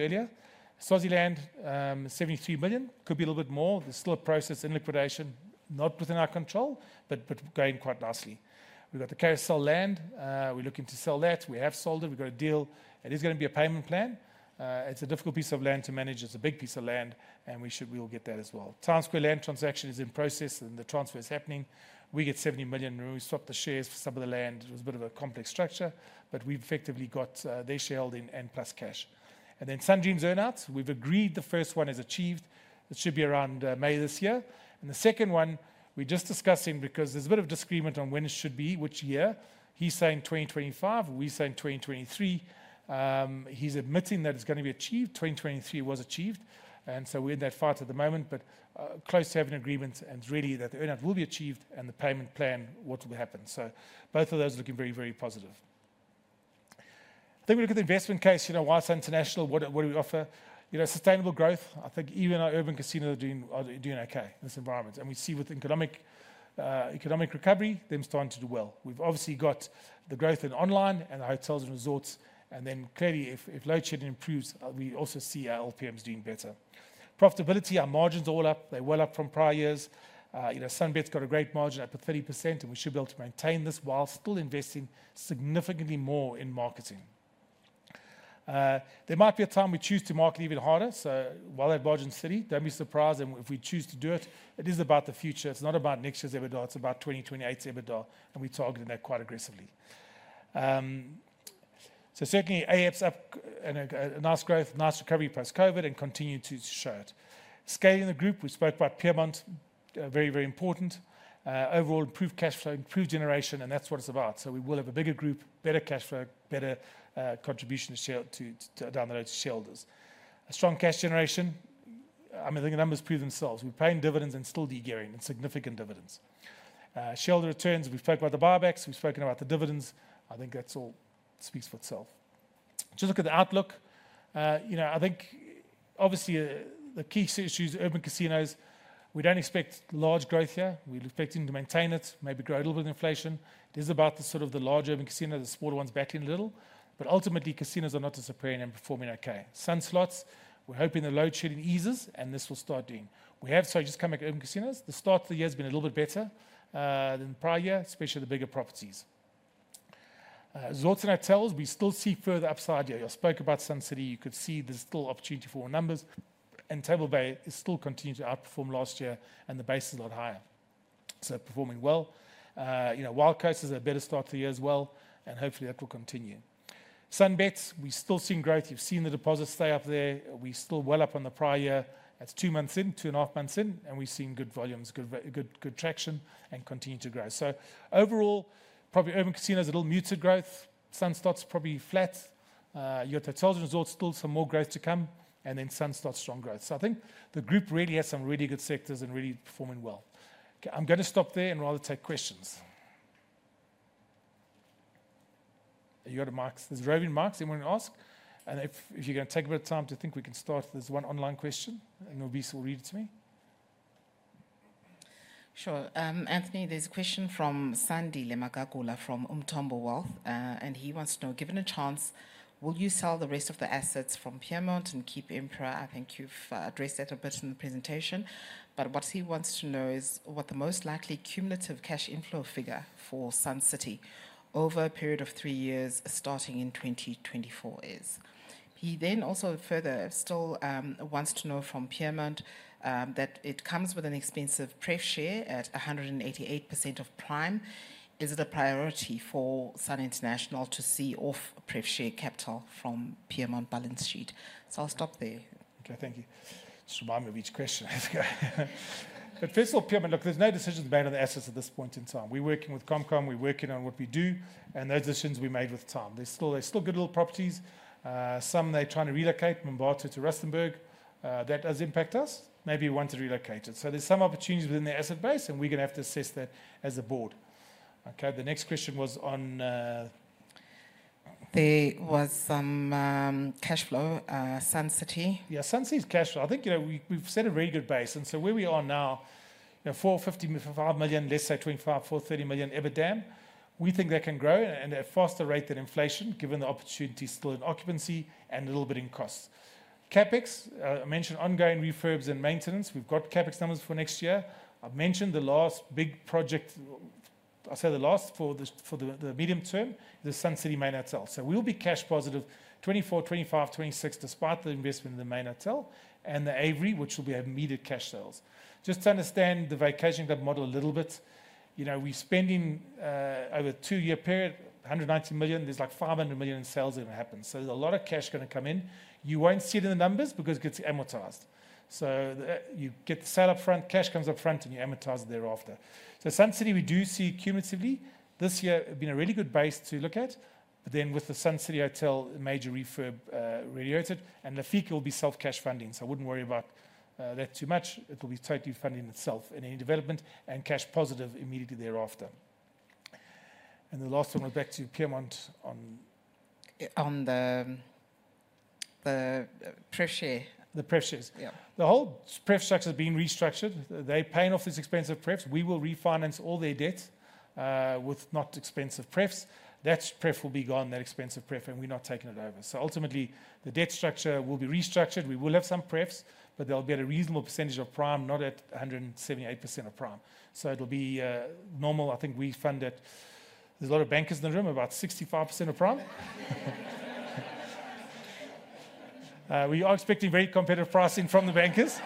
earlier. Swaziland, 73 million, could be a little bit more. There's still a process in liquidation, not within our control, but, but going quite nicely. We've got the KSL land. We're looking to sell that. We have sold it. We've got a deal. It is going to be a payment plan. It's a difficult piece of land to manage. It's a big piece of land, and we should—we will get that as well. Town Square land transaction is in process, and the transfer is happening. We get 70 million, and we swap the shares for some of the land. It was a bit of a complex structure, but we've effectively got their shareholding and plus cash. Then Sun Dreams earn-outs, we've agreed the first one is achieved. It should be around May this year. The second one, we're just discussing because there's a bit of disagreement on when it should be, which year. He's saying 2025, we're saying 2023. He's admitting that it's going to be achieved. 2023 was achieved, and so we're in that fight at the moment, but close to having an agreement and really that the earn-out will be achieved and the payment plan, what will happen. Both of those are looking very, very positive. We look at the investment case, you know, why Sun International? What do, what do we offer? You know, sustainable growth. I think even our urban casinos are doing, are doing okay in this environment, and we see with economic economic recovery, them starting to do well. We've obviously got the growth in online and the hotels and resorts, and then clearly, if, if load shedding improves, we also see our LPMs doing better. Profitability, our margins are all up. They're well up from prior years. You know, SunBet's got a great margin, up to 30%, and we should be able to maintain this while still investing significantly more in marketing. There might be a time we choose to market even harder, so while they're margin city, don't be surprised if, if we choose to do it. It is about the future. It's not about next year's EBITDA, it's about 2028's EBITDA, and we're targeting that quite aggressively. Certainly, AF's up and a nice growth, nice recovery post-COVID, and continue to show it. Scaling the group, we spoke about Peermont, very, very important. Overall, improved cash flow, improved generation, and that's what it's about. We will have a bigger group, better cash flow, better contribution share down the road to shareholders. A strong cash generation. I mean, the numbers prove themselves. We're paying dividends and still de-gearing, and significant dividends. Shareholder returns, we've spoken about the buybacks, we've spoken about the dividends. I think that's all speaks for itself. Just look at the outlook. You know, I think obviously, the key issues, urban casinos, we don't expect large growth here. We're expecting to maintain it, maybe grow a little with inflation. It is about the sort of the large urban casino, the smaller ones backing a little. Ultimately, casinos are not disappearing and performing okay. Sun Slots, we're hoping the load shedding eases, and this will start doing. Just come back to urban casinos. The start of the year has been a little bit better than the prior year, especially the bigger properties. Resorts and hotels, we still see further upside here. I spoke about Sun City. You could see there's still opportunity for more numbers, and Table Bay is still continuing to outperform last year, and the base is a lot higher, so performing well. You know, Wild Coast is a better start to the year as well, and hopefully, that will continue. SunBet, we've still seen growth. You've seen the deposits stay up there. We're still well up on the prior year. That's two months in, two and a half months in. We've seen good volumes, good, good traction and continue to grow. Overall, probably urban casino is a little muted growth. Sun Slots, probably flat. You got hotels and resorts, still some more growth to come. Then Sun Slots, strong growth. I think the group really has some really good sectors and really performing well. Okay, I'm going to stop there and rather take questions. You got the mics. There's roving mics. Anyone ask? If you're going to take a bit of time to think, we can start. There's one online question? Nwabisa will read it to me. Sure. Anthony, there's a question from Sandile Magagula from Umthombo Wealth. He wants to know: Given a chance, will you sell the rest of the assets from Peermont and keep Emperors? I think you've addressed that a bit in the presentation. What he wants to know is what the most likely cumulative cash inflow figure for Sun City over a period of three years, starting in 2024, is. He then also further still wants to know from Peermont that it comes with an expensive pref share at 188% of prime. Is it a priority for Sun International to see off pref share capital from Peermont balance sheet? I'll stop there. Okay, thank you. Just remind me of each question. First of all, Peermont, look, there's no decisions made on the assets at this point in time. We're working with Comcom, we're working on what we do, and those decisions will be made with time. There's still, there's still good little properties. Some they're trying to relocate Mombasa to Rustenburg. That does impact us. Maybe we want to relocate it. There's some opportunities within the asset base, and we're going to have to assess that as a board. Okay, the next question was on— There was some cash flow, Sun City. Yeah. Sun City's cash flow, I think, you know, we've, we've set a very good base, so where we are now, you know, 455 million, less than 25 million, 430 million EBITDA. We think that can grow and at a faster rate than inflation, given the opportunity still in occupancy and a little bit in costs. CapEx, I mentioned ongoing refurbs and maintenance. We've got CapEx numbers for next year. I've mentioned the last big project. I said the last for the, for the, the medium term, the Sun City main hotel. We'll be cash positive, 2024, 2025, 2026, despite the investment in the main hotel and The Aviary, which will be immediate cash sales. Just to understand the vacation club model a little bit, you know, we're spending, over a two-year period, 190 million. There's like 500 million in sales that will happen. There's a lot of cash gonna come in. You won't see it in the numbers because it gets amortized. You get the sale upfront, cash comes upfront, and you amortize it thereafter. Sun City, we do see cumulatively, this year being a really good base to look at, but then with the Sun City Hotel, major refurb, radioed, and the fee will be self-cash funding. I wouldn't worry about that too much. It will be totally funding itself and any development and cash positive immediately thereafter. The last one was back to Peermont on— On the pref share. The pref shares. Yeah. The whole pref structure has been restructured. They're paying off these expensive prefs. We will refinance all their debt with not expensive prefs. That pref will be gone, that expensive pref, we're not taking it over. Ultimately, the debt structure will be restructured. We will have some prefs, they'll be at a reasonable percentage of prime, not at 178% of prime. It'll be normal. I think we fund it. There's a lot of bankers in the room, about 65% of prime. We are expecting very competitive pricing from the bankers.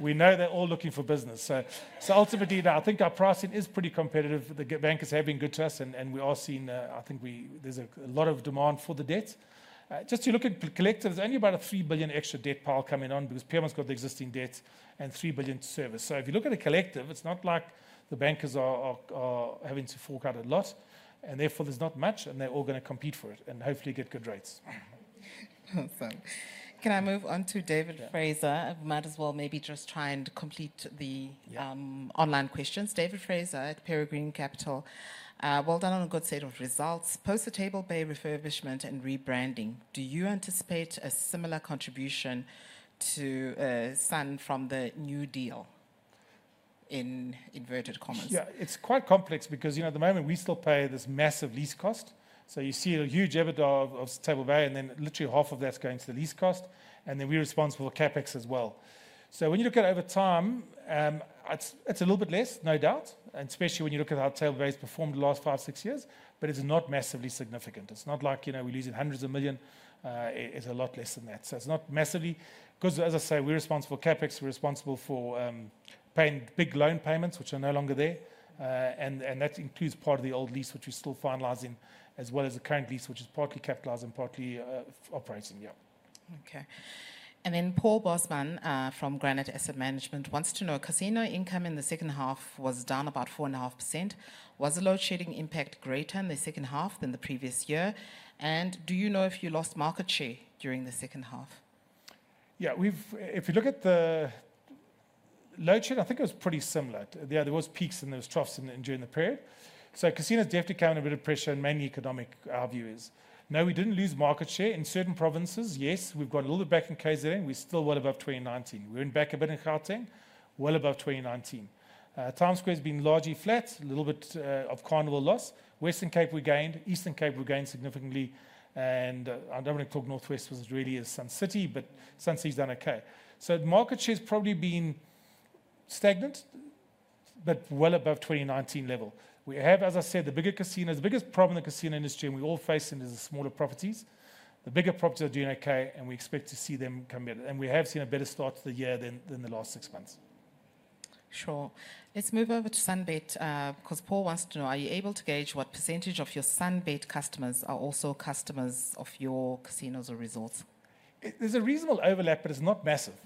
We know they're all looking for business. Ultimately, I think our pricing is pretty competitive. The bankers have been good to us, we are seeing, I think there's a lot of demand for the debt. Just to look at collective, there's only about a 3 billion extra debt pile coming on because Peermont's got the existing debt and 3 billion to service. If you look at the collective, it's not like the bankers are, are, are having to fork out a lot, and therefore, there's not much, and they're all going to compete for it and hopefully get good rates. Awesome. Can I move on to David Fraser? I might as well maybe just try and complete the online questions. David Fraser at Peregrine Capital. Well done on a good set of results. Post the Table Bay refurbishment and rebranding, do you anticipate a similar contribution to Sun from the new deal, in inverted commas? Yeah, it's quite complex because, you know, at the moment, we still pay this massive lease cost. You see a huge EBITDA of, of Table Bay, and then literally half of that's going to the lease cost, and then we're responsible for CapEx as well. When you look at it over time, it's, it's a little bit less, no doubt, and especially when you look at how Table Bay has performed the last five, six years, but it's not massively significant. It's not like, you know, we're losing hundreds of million. It, it's a lot less than that. It's not massively because, as I say, we're responsible for CapEx, we're responsible for paying big loan payments, which are no longer there. That includes part of the old lease, which we're still finalizing, as well as the current lease, which is partly capitalized and partly operating, yeah. Okay. Paul Bosman, from Granate Asset Management wants to know: Casino income in the second half was down about 4.5%, was the load-shedding impact greater in the second half than the previous year? Do you know if you lost market share during the second half? Yeah, we've, if you look at the load shed, I think it was pretty similar. Yeah, there was peaks and there was troughs in, during the period. Casinos definitely came under a bit of pressure in many economic. Our view is, no, we didn't lose market share. In certain provinces, yes, we've got a little bit back in KZN, we're still well above 2019. We're in back a bit in Gauteng, well above 2019. Town Square has been largely flat, a little bit, of Carnival loss. Western Cape, we gained. Eastern Cape, we gained significantly. I don't want to talk North West was really as Sun City, but Sun City's done okay. Market share's probably been stagnant, but well above 2019 level. We have, as I said, the bigger casino—the biggest problem in the casino industry, and we all face it, is the smaller properties. The bigger properties are doing okay, and we expect to see them come in. We have seen a better start to the year than the last six months. Sure. Let's move over to SunBet, because Paul wants to know: Are you able to gauge what % of your SunBet customers are also customers of your casinos or resorts? It—there's a reasonable overlap, but it's not massive.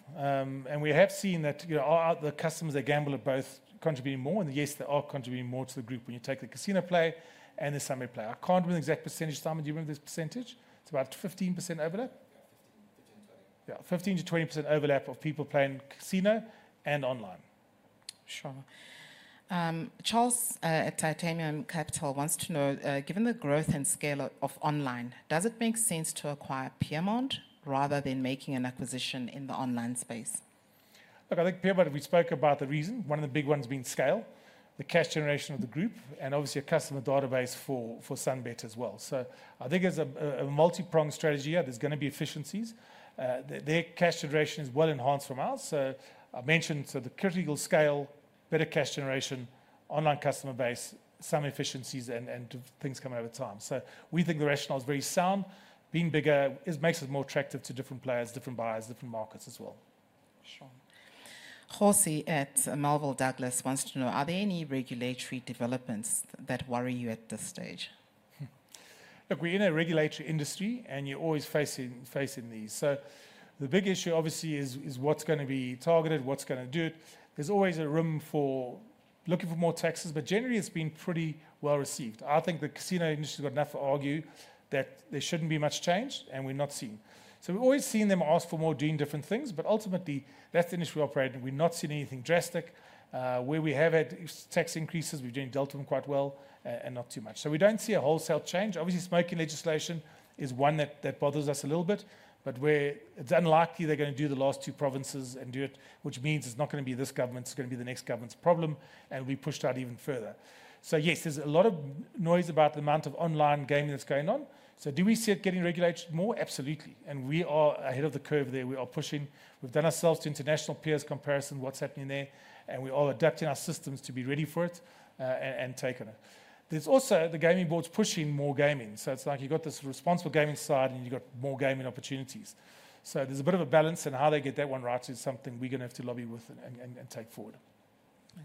We have seen that, you know, our, the customers that gamble are both contributing more, and yes, they are contributing more to the group when you take the casino play and the SunBet play. I can't remember the exact percentage. Simon, do you remember this percentage? It's about 15% overlap. Yeah, 15%-20% overlap of people playing casino and online. Sure. Charles at Titanium Capital wants to know, given the growth and scale of online, does it make sense to acquire Peermont rather than making an acquisition in the online space? Look, I think Peermont, we spoke about the reason, one of the big ones being scale, the cash generation of the group. Obviously a customer database for, for SunBet as well. I think there's a, a multipronged strategy here. There's gonna be efficiencies. Their, their cash generation is well enhanced from ours. I mentioned, so the critical scale, better cash generation, online customer base, some efficiencies, and, and things come over time. We think the rationale is very sound. Being bigger is makes us more attractive to different players, different buyers, different markets as well. Sure. Kgosi at Melville Douglas wants to know: Are there any regulatory developments that worry you at this stage? We're in a regulatory industry, and you're always facing these. The big issue, obviously, is what's gonna be targeted, what's gonna do it. There's always a room for looking for more taxes, generally, it's been pretty well received. I think the casino industry has got enough to argue that there shouldn't be much change, we've not seen. We've always seen them ask for more, doing different things, ultimately, that's the industry we operate in. We've not seen anything drastic. Where we have had tax increases, we've dealt with them quite well not too much. We don't see a wholesale change. Obviously, smoking legislation is one that, that bothers us a little bit, but we're it's unlikely they're gonna do the last two provinces and do it, which means it's not gonna be this government, it's gonna be the next government's problem and will be pushed out even further. Yes, there's a lot of noise about the amount of online gaming that's going on. Do we see it getting regulated more? Absolutely, and we are ahead of the curve there. We are pushing. We've done ourselves to international peers comparison, what's happening there, and we are adapting our systems to be ready for it, and taking it. There's also the gaming board's pushing more gaming. It's like you've got this responsible gaming side, and you've got more gaming opportunities. There's a bit of a balance in how they get that one right is something we're gonna have to lobby with and, and, and take forward.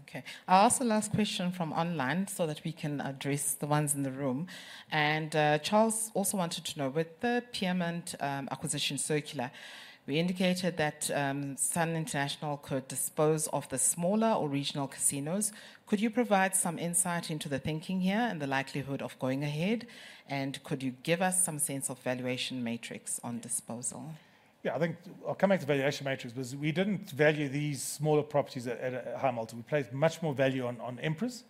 Okay. I'll ask the last question from online so that we can address the ones in the room. Charles also wanted to know: With the Peermont acquisition circular, we indicated that Sun International could dispose of the smaller or regional casinos. Could you provide some insight into the thinking here and the likelihood of going ahead, and could you give us some sense of valuation matrix on disposal? Yeah, I think I'll come back to valuation metrics because we didn't value these smaller properties at, at a high multiple. We placed much more value on, on Emperors,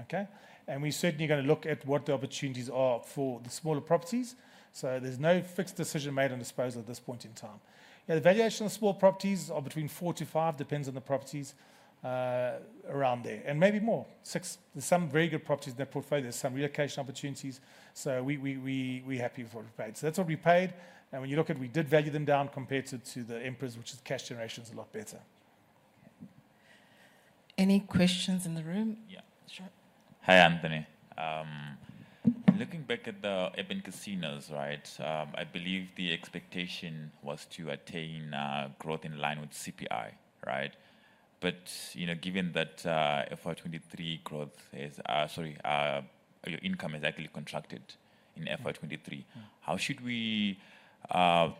okay? We're certainly going to look at what the opportunities are for the smaller properties, so there's no fixed decision made on disposal at this point in time. Yeah, the valuation of small properties are between four to five, depends on the properties, around there, and maybe more, six. There's some very good properties in their portfolio. There's some relocation opportunities, so we, we, we, we're happy with what we paid. That's what we paid, and when you look at, we did value them down compared to, to the Emperors, which is cash generation's a lot better. Any questions in the room? Yeah. Sure. Hi, Anthony. Looking back at the urban casinos, right? I believe the expectation was to attain, growth in line with CPI, right? You know, given that, FY 2023 growth has, sorry, your income has actually contracted in FY 2023. How should we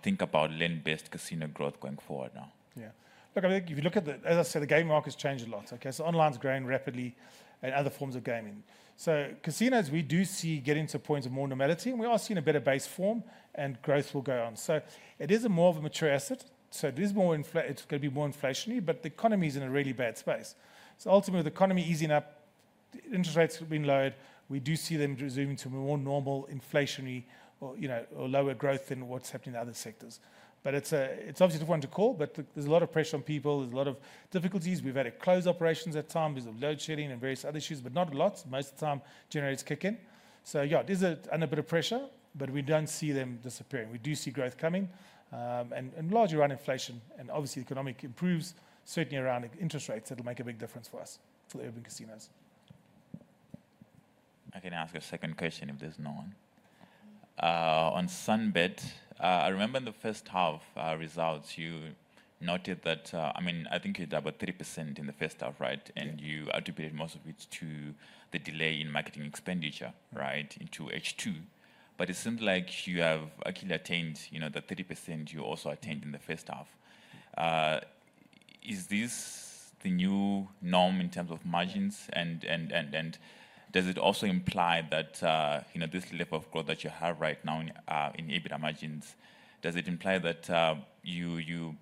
think about land-based casino growth going forward now? Yeah. Look, I think if you look at the—as I said, the gaming market has changed a lot, okay? Online's growing rapidly and other forms of gaming. Casinos, we do see getting to a point of more normality, and we are seeing a better base form, and growth will go on. It is a more of a mature asset, so it is more it's gonna be more inflationary, but the economy is in a really bad space. Ultimately, the economy easing up, interest rates have been lowered. We do see them resuming to a more normal inflationary or, you know, or lower growth than what's happening in other sectors. It's a, it's obviously a difficult one to call, but there's a lot of pressure on people. There's a lot of difficulties. We've had to close operations at times because of load shedding and various other issues, but not a lot. Most of the time, generators kick in. Yeah, it is under a bit of pressure, but we don't see them disappearing. We do see growth coming, and largely around inflation, and obviously, economic improves, certainly around interest rates. It'll make a big difference for us, for the urban casinos. I can ask a second question if there's no one. On SunBet, I remember in the first half results, you noted that, I mean, I think you're down by 30% in the first half, right? You attributed most of it to the delay in marketing expenditure, right, into H2. It seems like you have actually attained, you know, the 30% you also attained in the first half. Is this the new norm in terms of margins? Does it also imply that, you know, this level of growth that you have right now in EBITDA margins, does it imply that, you, you,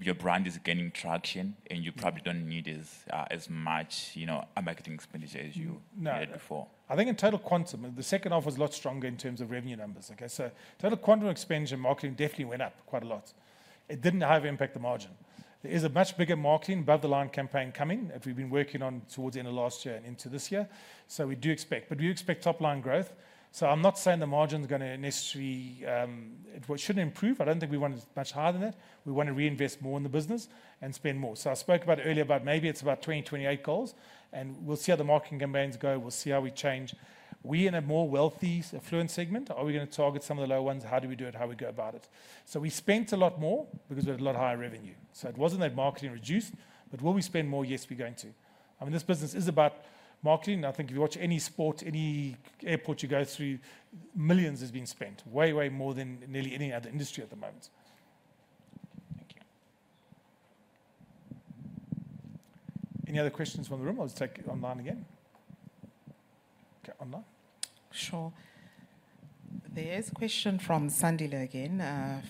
your brand is gaining traction. You probably don't need as, as much, you know, a marketing expenditure as you— No. —had before? I think in total quantum, the second half was a lot stronger in terms of revenue numbers. Okay, total quantum expenditure, marketing definitely went up quite a lot. It didn't highly impact the margin. There is a much bigger marketing above-the-line campaign coming, that we've been working on towards the end of last year and into this year. We do expect, but we expect top-line growth. I'm not saying the margin's gonna necessarily. It should improve. I don't think we want it much higher than that. We want to reinvest more in the business and spend more. I spoke about it earlier, about maybe it's about 2028 goals, and we'll see how the marketing campaigns go. We'll see how we change. We're in a more wealthy affluent segment. Are we gonna target some of the lower ones? How do we do it? How do we go about it? We spent a lot more because we had a lot higher revenue. It wasn't that marketing reduced, but will we spend more? Yes, we're going to. I mean, this business is about marketing. I think if you watch any sport, any airport you go through, millions has been spent. Way, way more than nearly any other industry at the moment. Thank you. Any other questions from the room, or let's take online again? Okay, online. Sure. There's a question from Sandile again,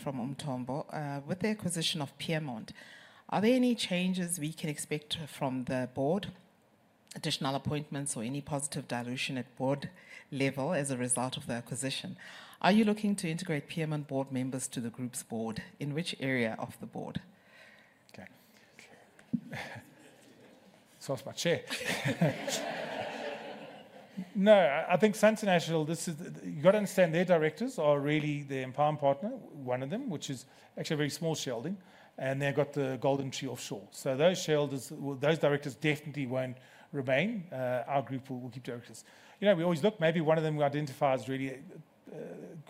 from Umthombo: With the acquisition of Peermont, are there any changes we can expect from the board, additional appointments, or any positive dilution at board level as a result of the acquisition? Are you looking to integrate Peermont board members to the group's board? In which area of the board? Okay. That's my chair. No, I think Sun International, you've got to understand, their directors are really the empowerment partner, one of them, which is actually a very small shareholding, and they've got the GoldenTree Offshore. Those shareholders, well, those directors definitely won't remain. Our group will, will keep directors. You know, we always look, maybe one of them we identify as really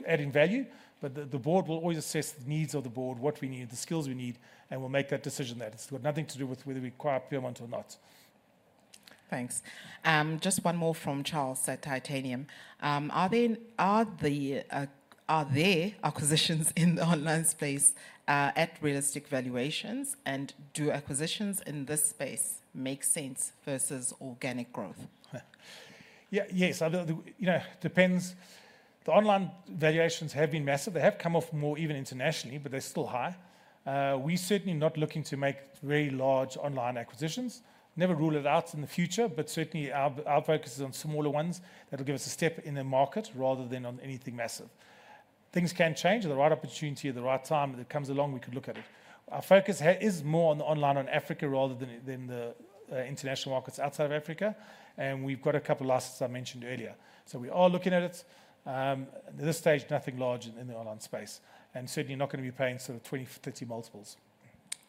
adding value, but the, the board will always assess the needs of the board, what we need, the skills we need, and we'll make that decision then. It's got nothing to do with whether we acquire Peermont or not. Thanks. Just one more from Charles at Titanium: Are there acquisitions in the online space, at realistic valuations, and do acquisitions in this space make sense versus organic growth? Yeah. Yes, I know, you know, depends. The online valuations have been massive. They have come off more even internationally, but they're still high. We're certainly not looking to make very large online acquisitions. Never rule it out in the future, but certainly our, our focus is on smaller ones that will give us a step in the market rather than on anything massive. Things can change. At the right opportunity, at the right time, if it comes along, we could look at it. Our focus here is more on the online on Africa rather than the international markets outside of Africa, and we've got a couple of assets I mentioned earlier. We are looking at it. At this stage, nothing large in the online space, and certainly not going to be paying sort of 20, 30 multiples.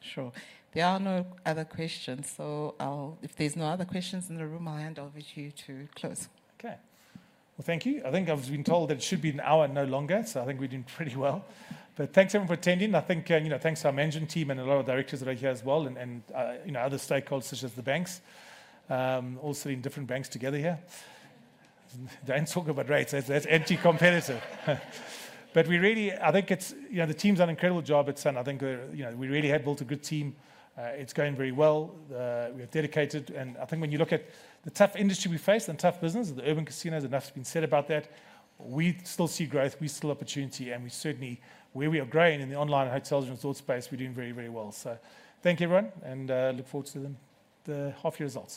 Sure. There are no other questions, so I'll—if there's no other questions in the room, I'll hand over to you to close. Okay. Well, thank you. I think I've been told that it should be an hour, no longer, so I think we're doing pretty well. Thanks, everyone, for attending. I think, you know, thanks to our management team and a lot of directors that are here as well, and, and, you know, other stakeholders, such as the banks. All sitting different banks together here. Don't talk about rates, that's, that's anti-competitive. We really. I think it's, you know, the team's done an incredible job at Sun. I think, you know, we really have built a good team. It's going very well. We are dedicated, I think when you look at the tough industry we face and tough business, the urban casinos, enough's been said about that, we still see growth, we see opportunity, and we certainly, where we are growing in the online hotels and resort space, we're doing very, very well. Thank you, everyone. And look forward to the half year results.